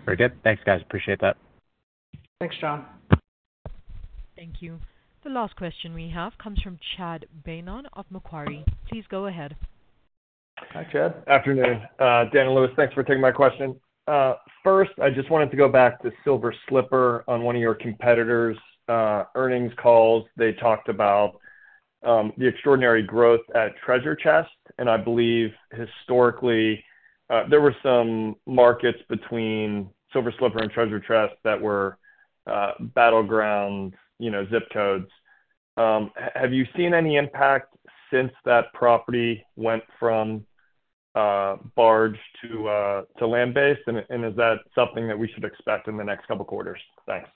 Very good. Thanks, guys. Appreciate that. Thanks, John. Thank you. The last question we have comes from Chad Beynon of Macquarie. Please go ahead. Hi, Chad. Afternoon, Dan and Lewis. Thanks for taking my question first. I just wanted to go back to Silver Slipper on one of your competitors earnings calls. They talked about the extraordinary growth at Treasure Chest. And I believe historically there were some markets between Silver Slipper and Treasure Chest that were battleground, you know, zip codes. Have you seen any impact since that property went from barge to land based? And is that something that we should expect in the next couple quarters? Thanks.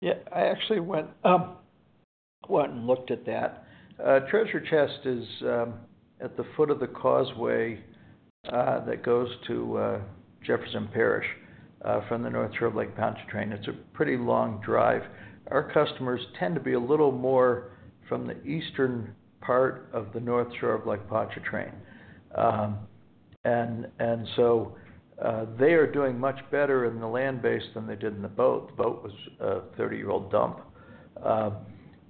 Yeah, I actually went and looked at that. Treasure Chest is at the foot of the causeway that goes to Jefferson Parish from the north shore of Lake Pontchartrain. It's a pretty long drive. Our customers tend to be a little more from the eastern part of the north shore of Lake Pontchartrain. And so they are doing much better in the land base than they did in the boat. The boat was a 30-year-old dump,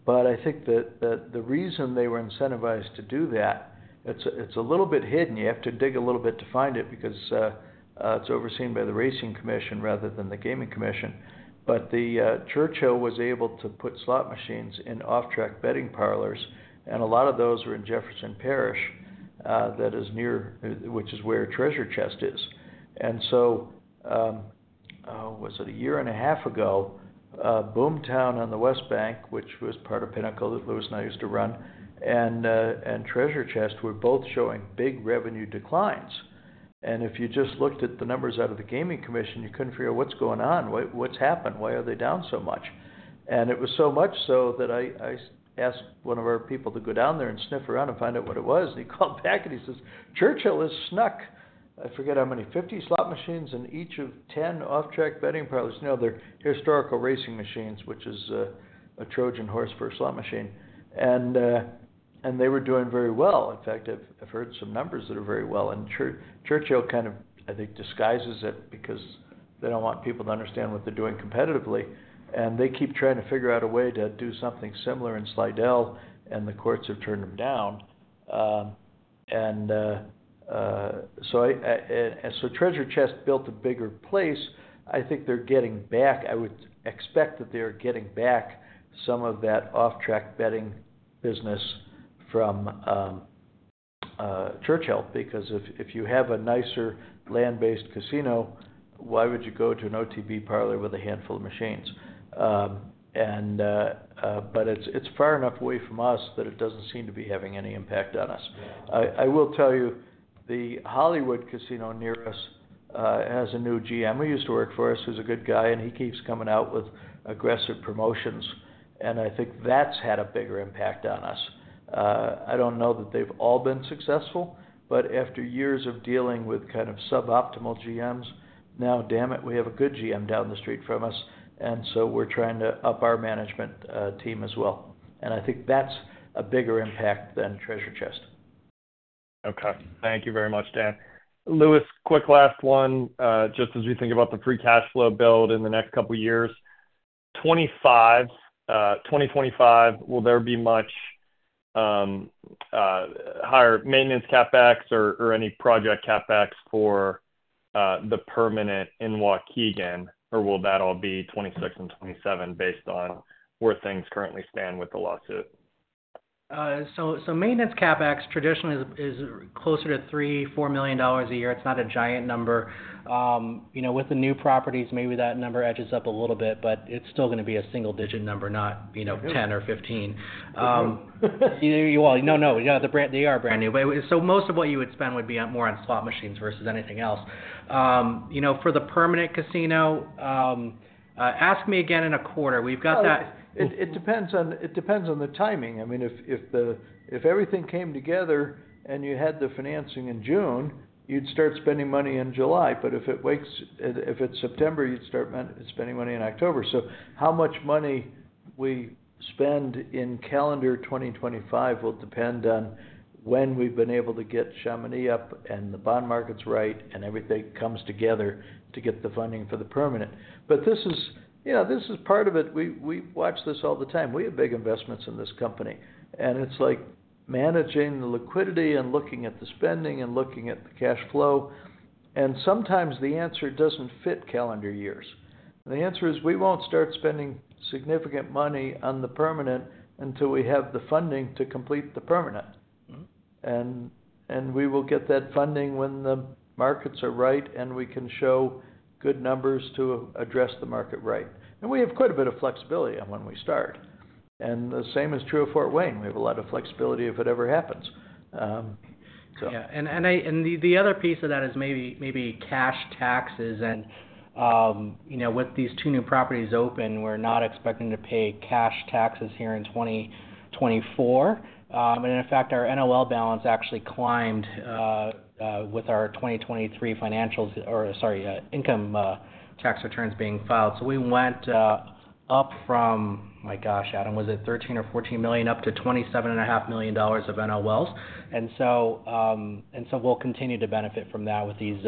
but I think that the reason they were incentivized to do that, it's a little bit hidden. You have to dig a little bit to find it because it's overseen by the Racing Commission rather than the gaming commission. But Churchill was able to put slot machines in off-track betting parlors. And a lot of those were in Jefferson Parish. That is near which is where Treasure Chest is. It was a year and a half ago. Boomtown on the West Bank, which was part of Pinnacle that Lewis and I used to run, and Treasure Chest were both showing big revenue declines. If you just looked at the numbers out of the gaming commission, you couldn't figure out what's going on, what's happened, why are they down so much. It was so much so that I asked one of our people to go down there and sniff around and find out what it was. He called back and he says Churchill has snuck. I forget how many. 50 slot machines in each of 10 off-track betting parlors. No, they're historical racing machines, which is a Trojan horse for a slot machine. They were doing very well. In fact, I've heard some numbers that are very well. Churchill kind of, I think, disguises it because they don't want people to understand what they're doing compared to competitively. They keep trying to figure out a way to do something similar in Slidell, and the courts have turned them down. So Treasure Chest built a bigger place. I think they're getting back. I would expect that they're getting back some of that off-track betting business from Churchill because if you have a nicer land-based casino, why would you go to an OTB parlor with a handful of machines? But it's far enough away from us that it doesn't seem to be having any impact on us. I will tell you, the Hollywood Casino near us has a new GM who used to work for us, who's a good guy and he keeps coming out with aggressive promotions. And I think that's had a bigger impact on us. I don't know that they've all been successful, but after years of dealing with kind of suboptimal GMs now, damn it, we have a good GM down the street from us. And so we're trying to up our management team as well. And I think that's a bigger impact than Treasure Chest. Okay, thank you very much, Dan. Lewis, quick last one. Just as we think about the free cash flow build in the next couple years, 2025. Will there be much higher maintenance CapEx or any project CapEx for the permanent in Waukegan or will that all be 2026 and 2027 based on where things currently stand with the lawsuit. So maintenance CapEx traditionally is closer to $3.4 million a year. It's not a giant number. You know, with the new properties, maybe that number edges up a little bit, but it's still going to be a single digit number. Not 10 or 15. No, no, they are brand new. So most of what you would spend would be more on slot machines versus anything else for the permanent casino. Ask me again in a quarter. We've got that. It depends on the timing. I mean, if everything came together and you had the financing in June, you'd start spending money in July. But if it wakes up, if it's September, you'd start spending money in October. So how much money we spend in calendar 2025 will depend on when we've been able to get Chamonix up and the bond markets right and everything comes together to get the funding for the permanent. But this is, you know, this is part of it. We watch this all the time. We have big investments in this company and it's like managing the liquidity and looking at the spending and looking at the cash flow. And sometimes the answer doesn't fit calendar years. The answer is we won't start spending significant money on the permanent until we have the funding to complete the permanent. And we will get that funding when the markets are right and we can show good numbers to address the market. Right. And we have quite a bit of flexibility on when we start. And the same is true of Fort Wayne. We have a lot of flexibility if it ever happens. The other piece of that is maybe cash taxes. You know, with these two new properties open, we're not expecting to pay cash taxes here in 2024. In fact, our NOL balance actually climbed with our 2023 financials, or sorry, income tax returns being filed. We went up from, my gosh, Adam, was it $13 or 14 million, up to $27.5 million of NOLs. We'll continue to benefit from that with these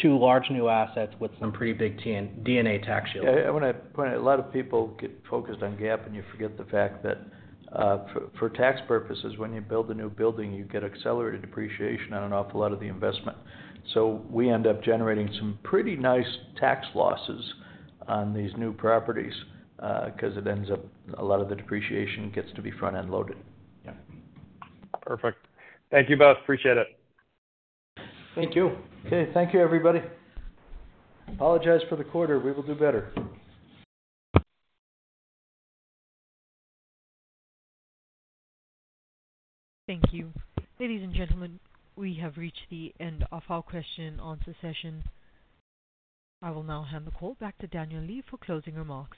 two large new assets with some pretty big D&A tax shield. I want to point out a lot of people get focused on GAAP and you forget the fact that for tax purposes, when you build a new building, you get accelerated depreciation on an awful lot of the investment. So we end up generating some pretty nice tax losses on these new properties because it ends up a lot of the depreciation gets to be front end loaded. Perfect. Thank you both. Appreciate it. Thank you. Okay, thank you everybody. Apologize for the quarter. We will do better. Thank you ladies and gentlemen, we have reached the end of our question and answer session. I will now hand the call back to Daniel Lee for closing remarks.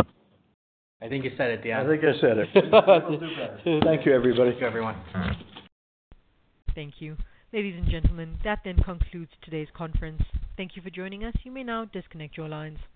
I think you said it. Yeah, I think I said it. Thank you, everybody. Thank you, ladies and gentlemen. That then concludes today's conference. Thank you for joining us. You may now disconnect your lines.